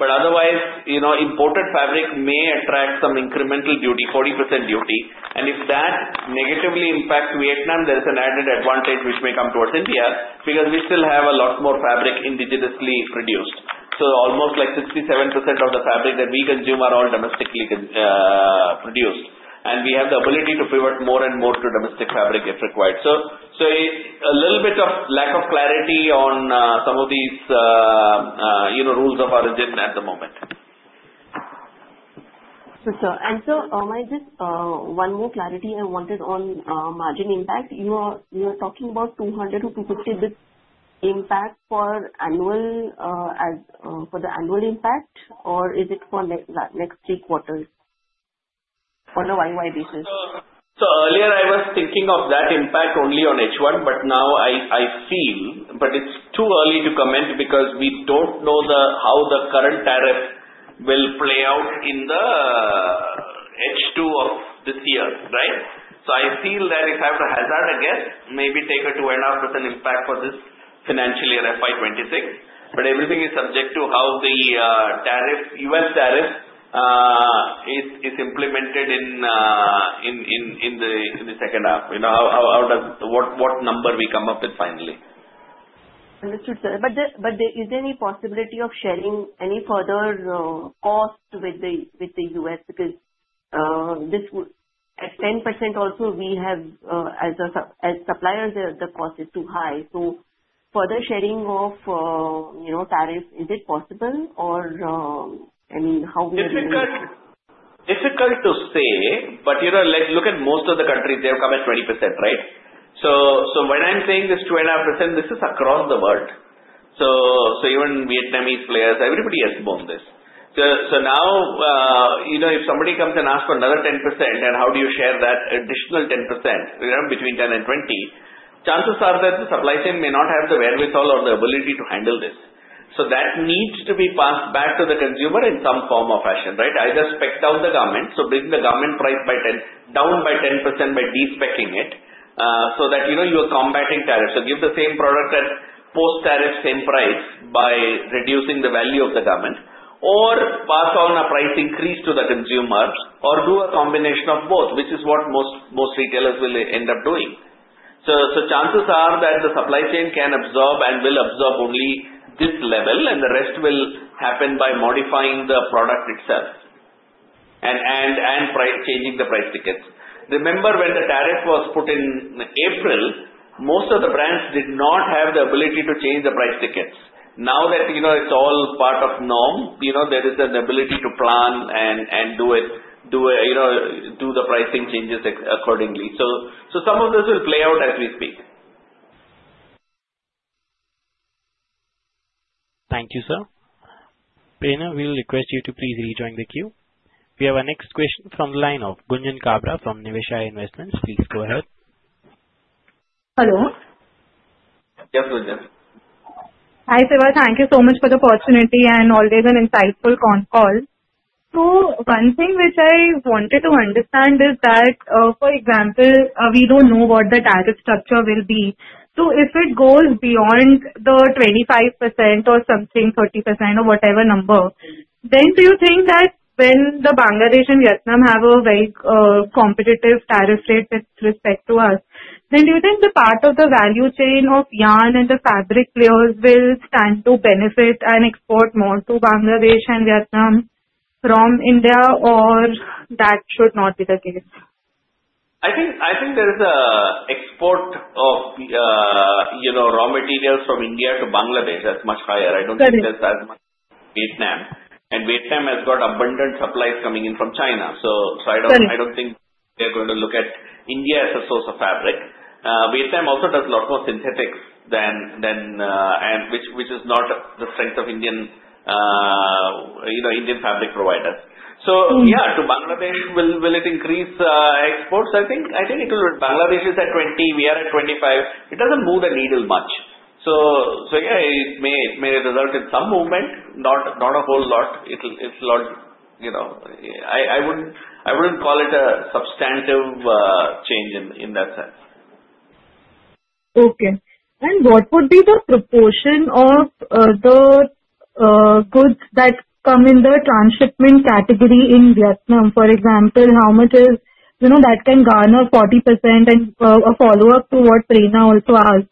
But otherwise, imported fabric may attract some incremental duty, 40% duty. And if that negatively impacts Vietnam, there is an added advantage which may come towards India because we still have a lot more fabric indigenously produced. So almost like 67% of the fabric that we consume are all domestically produced. We have the ability to pivot more and more to domestic fabric if required. There is a little bit of lack of clarity on some of these rules of origin at the moment. Sir, just one more clarity I wanted on margin impact. You are talking about 200-250 basis points impact for the annual impact, or is it for next three quarters on a YOY basis? So earlier, I was thinking of that impact only on H1, but now I feel that it's too early to comment because we don't know how the current tariff will play out in the H2 of this year, right? So I feel that if I have to hazard a guess, maybe take a 2.5% impact for this financial year FY26. But everything is subject to how the U.S. tariff is implemented in the second half, what number we come up with finally. Understood, sir. But is there any possibility of sharing any further cost with the U.S. because at 10% also, we have as suppliers, the cost is too high. So further sharing of tariff, is it possible? Or I mean, how will you? It's difficult to say. But look at most of the countries, they've come at 20%, right? So when I'm saying this 2.5%, this is across the world. So even Vietnamese players, everybody has to own this. So now if somebody comes and asks for another 10%, and how do you share that additional 10% between 10 and 20? Chances are that the supply chain may not have the wherewithal or the ability to handle this. So that needs to be passed back to the consumer in some form or fashion, right? Either spec down the garment, so bring the garment price down by 10% by despecking it so that you are combating tariffs. So give the same product at post-tariff same price by reducing the value of the government, or pass on a price increase to the consumer, or do a combination of both, which is what most retailers will end up doing. So chances are that the supply chain can absorb and will absorb only this level, and the rest will happen by modifying the product itself and changing the price tickets. Remember, when the tariff was put in April, most of the brands did not have the ability to change the price tickets. Now that it's all part of norm, there is an ability to plan and do the pricing changes accordingly. So some of this will play out as we speak. Thank you, sir. Prerna will request you to please rejoin the queue. We have a next question from the line of Gunjan Kabra from Niveshaay. Please go ahead. Hello. Yes, Gunjan. Hi, Siva. Thank you so much for the opportunity and always an insightful call. One thing which I wanted to understand is that, for example, we don't know what the tariff structure will be. If it goes beyond the 25% or something, 30%, or whatever number, then do you think that when the Bangladesh and Vietnam have a very competitive tariff rate with respect to us, then do you think the part of the value chain of yarn and the fabric players will stand to benefit and export more to Bangladesh and Vietnam from India, or that should not be the case? I think there is an export of raw materials from India to Bangladesh that's much higher. I don't think there's as much Vietnam. And Vietnam has got abundant supplies coming in from China. So I don't think they're going to look at India as a source of fabric. Vietnam also does a lot more synthetics, which is not the strength of Indian fabric providers. So yeah, to Bangladesh, will it increase exports? I think it will. Bangladesh is at 20%. We are at 25%. It doesn't move the needle much. So yeah, it may result in some movement, not a whole lot. It's a lot. I wouldn't call it a substantive change in that sense. Okay. And what would be the proportion of the goods that come in the transshipment category in Vietnam? For example, how much is that can garner 40% and a follow-up to what Prerna also asked.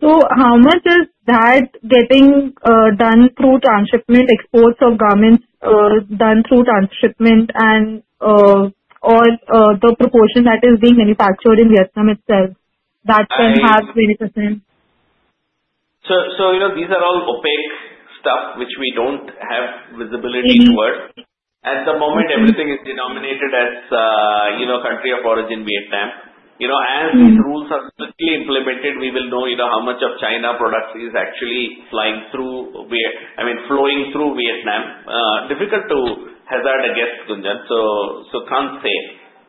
So how much is that getting done through transshipment, exports of garments done through transshipment, or the proportion that is being manufactured in Vietnam itself that can have 20%? So these are all opaque stuff, which we don't have visibility towards. At the moment, everything is denominated as country of origin Vietnam. As these rules are strictly implemented, we will know how much of China products is actually flowing through Vietnam. Difficult to hazard a guess, Gunjan. So can't say.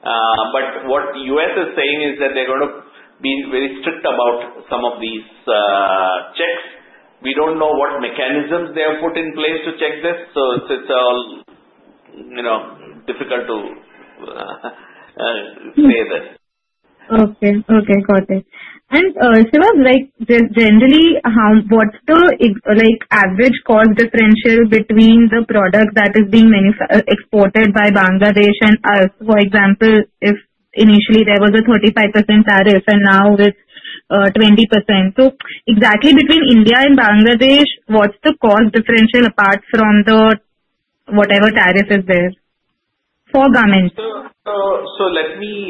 But what the U.S. is saying is that they're going to be very strict about some of these checks. We don't know what mechanisms they have put in place to check this. So it's all difficult to say that. Okay. Okay. Got it. And Siva, generally, what's the average cost differential between the product that is being exported by Bangladesh and us? For example, if initially there was a 35% tariff and now it's 20%. So exactly between India and Bangladesh, what's the cost differential apart from the whatever tariff is there for garments? Let me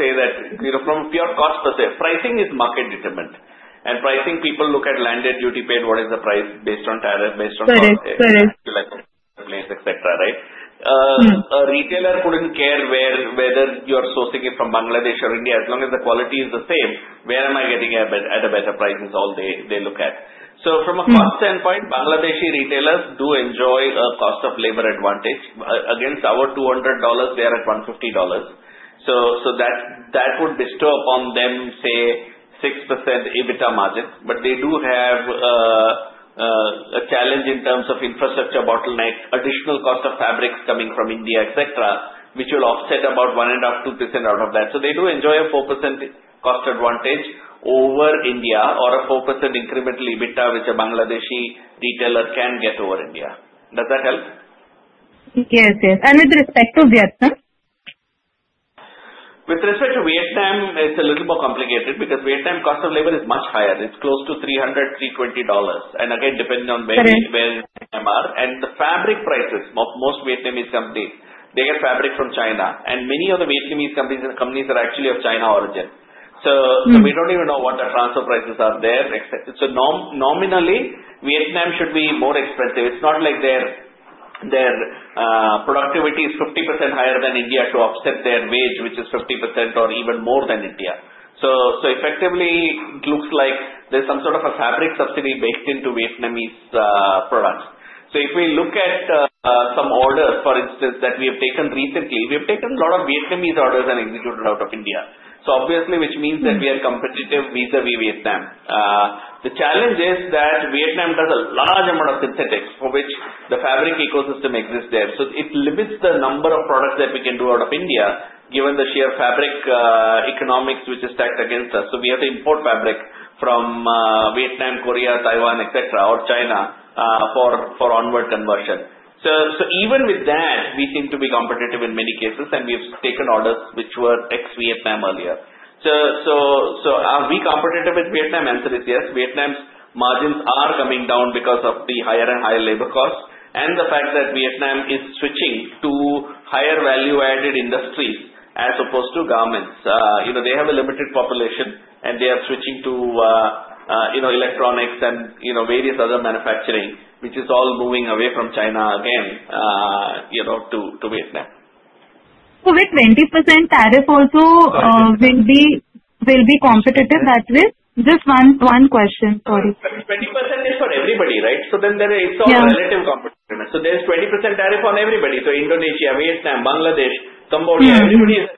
say that from a pure cost per se, pricing is market determined. Pricing, people look at landed duty paid, what is the price based on tariff, based on cost, etc., right? A retailer couldn't care whether you're sourcing it from Bangladesh or India. As long as the quality is the same, where am I getting at a better price is all they look at. From a cost standpoint, Bangladeshi retailers do enjoy a cost of labor advantage. Against our $200, they are at $150. That would bestow upon them, say, 6% EBITDA margin. They do have a challenge in terms of infrastructure bottleneck, additional cost of fabrics coming from India, etc., which will offset about 1.5%-2% out of that. They do enjoy a 4% cost advantage over India or a 4% incremental EBITDA, which a Bangladeshi retailer can get over India. Does that help? Yes. Yes, and with respect to Vietnam? With respect to Vietnam, it's a little more complicated because Vietnam, cost of labor is much higher, it's close to $300-$320, and again, depending on where you are, and the fabric prices, most Vietnamese companies, they get fabric from China, and many of the Vietnamese companies are actually of China origin, so we don't even know what the transfer prices are there, so nominally, Vietnam should be more expensive, it's not like their productivity is 50% higher than India to offset their wage, which is 50% or even more than India, so effectively, it looks like there's some sort of a fabric subsidy baked into Vietnamese products, so if we look at some orders, for instance, that we have taken recently, we have taken a lot of Vietnamese orders and executed out of India, so obviously, which means that we are competitive vis-à-vis Vietnam. The challenge is that Vietnam does a large amount of synthetics, for which the fabric ecosystem exists there. So it limits the number of products that we can do out of India, given the sheer fabric economics, which is stacked against us. So we have to import fabric from Vietnam, Korea, Taiwan, etc., or China for onward conversion. So even with that, we seem to be competitive in many cases, and we have taken orders which were ex-Vietnam earlier. So are we competitive with Vietnam? Answer is yes. Vietnam's margins are coming down because of the higher and higher labor costs and the fact that Vietnam is switching to higher value-added industries as opposed to garments. They have a limited population, and they are switching to electronics and various other manufacturing, which is all moving away from China again to Vietnam. So with 20% tariff, also, will be competitive that way? Just one question. Sorry. 20% is for everybody, right? So then it's all relative competitiveness. So there's 20% tariff on everybody. So Indonesia, Vietnam, Bangladesh, Cambodia, everybody is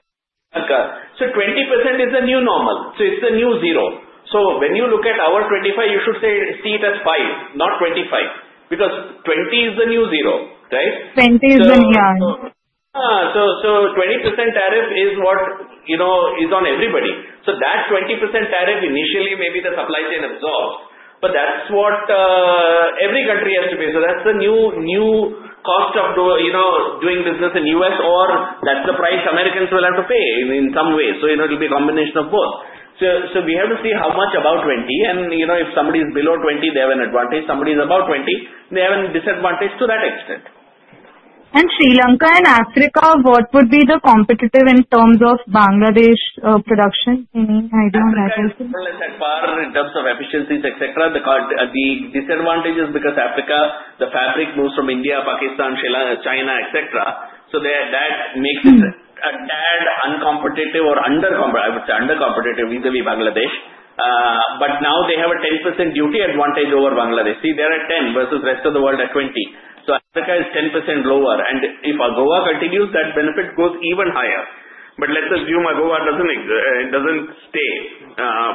a new normal. So 20% is a new normal. So it's a new zero. So when you look at our 25, you should see it as 5, not 25, because 20 is the new zero, right? 20 is the new. Yeah. So 20% tariff is what is on everybody. So that 20% tariff, initially, maybe the supply chain absorbs, but that's what every country has to pay. So that's the new cost of doing business in the U.S., or that's the price Americans will have to pay in some way. So it'll be a combination of both. So we have to see how much about 20. And if somebody is below 20, they have an advantage. Somebody is above 20, they have a disadvantage to that extent. Sri Lanka and Africa, what would be the competition in terms of Bangladesh production? Any idea on that? It's far in terms of efficiencies, etc. The disadvantage is because Africa, the fabric moves from India, Pakistan, China, etc. So that makes it a tad uncompetitive or, I would say, under-competitive vis-à-vis Bangladesh. But now they have a 10% duty advantage over Bangladesh. See, they're at 10 versus the rest of the world at 20. So Africa is 10% lower. And if AGOA continues, that benefit goes even higher. But let's assume AGOA doesn't stay,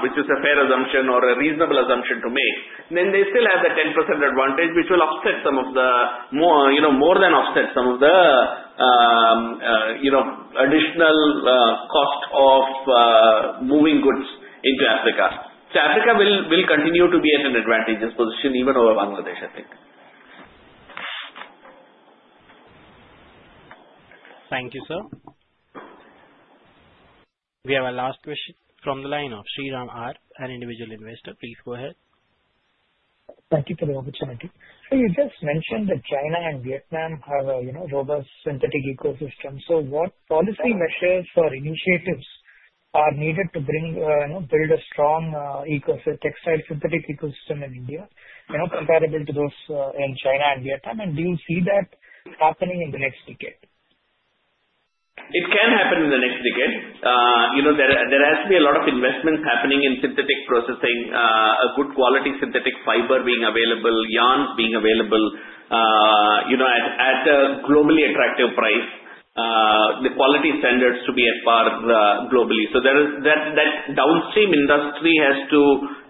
which is a fair assumption or a reasonable assumption to make, then they still have the 10% advantage, which will more than offset some of the additional cost of moving goods into Africa. So Africa will continue to be at an advantageous position even over Bangladesh, I think. Thank you, sir. We have a last question from the line of Sriram R., an individual investor. Please go ahead. Thank you for the opportunity. So you just mentioned that China and Vietnam have a robust synthetic ecosystem. So what policy measures or initiatives are needed to build a strong textile synthetic ecosystem in India comparable to those in China and Vietnam? And do you see that happening in the next decade? It can happen in the next decade. There has to be a lot of investments happening in synthetic processing, a good quality synthetic fiber being available, yarn being available at a globally attractive price, the quality standards to be at par globally. So that downstream industry has to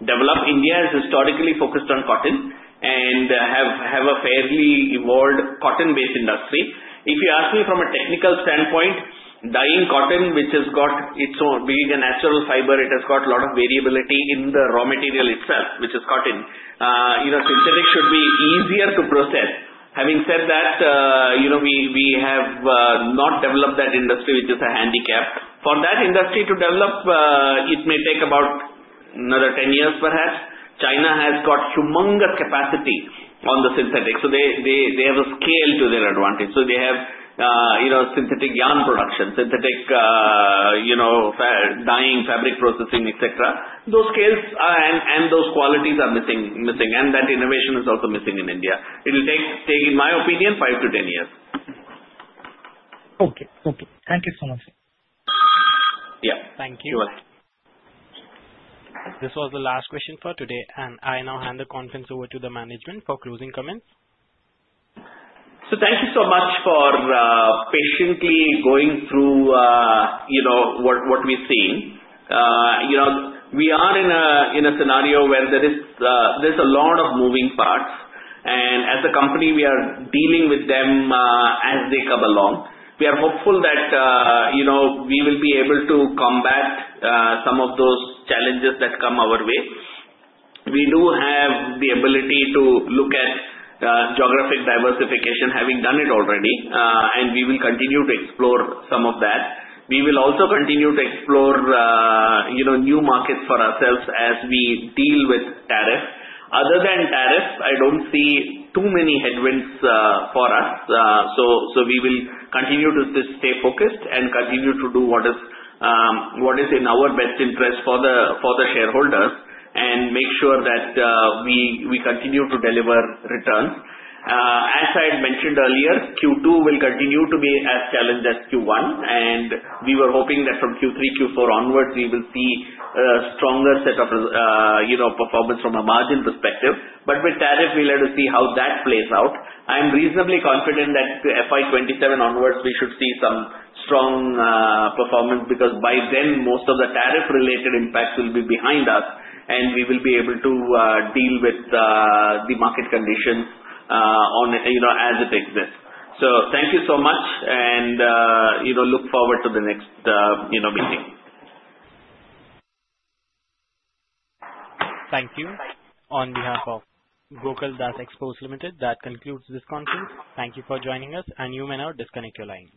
develop. India has historically focused on cotton and have a fairly evolved cotton-based industry. If you ask me from a technical standpoint, dyeing cotton, which has got its own being a natural fiber, it has got a lot of variability in the raw material itself, which is cotton. Synthetic should be easier to process. Having said that, we have not developed that industry, which is a handicap. For that industry to develop, it may take about another 10 years, perhaps. China has got humongous capacity on the synthetic. So they have a scale to their advantage. So they have synthetic yarn production, synthetic dyeing, fabric processing, etc. Those scales and those qualities are missing. And that innovation is also missing in India. It will take, in my opinion, 5 to 10 years. Okay. Okay. Thank you so much. Yeah. Thank you. You're welcome. This was the last question for today. And I now hand the conference over to the management for closing comments. So thank you so much for patiently going through what we're seeing. We are in a scenario where there's a lot of moving parts. And as a company, we are dealing with them as they come along. We are hopeful that we will be able to combat some of those challenges that come our way. We do have the ability to look at geographic diversification, having done it already. And we will continue to explore some of that. We will also continue to explore new markets for ourselves as we deal with tariff. Other than tariff, I don't see too many headwinds for us. So we will continue to stay focused and continue to do what is in our best interest for the shareholders and make sure that we continue to deliver returns. As I had mentioned earlier, Q2 will continue to be as challenged as Q1. We were hoping that from Q3, Q4 onwards, we will see a stronger set of performance from a margin perspective. With tariff, we'll have to see how that plays out. I'm reasonably confident that FY27 onwards, we should see some strong performance because by then, most of the tariff-related impacts will be behind us, and we will be able to deal with the market conditions as it exists. Thank you so much, and look forward to the next meeting. Thank you. On behalf of Gokaldas Exports Limited, that concludes this conference. Thank you for joining us, and you may now disconnect your line.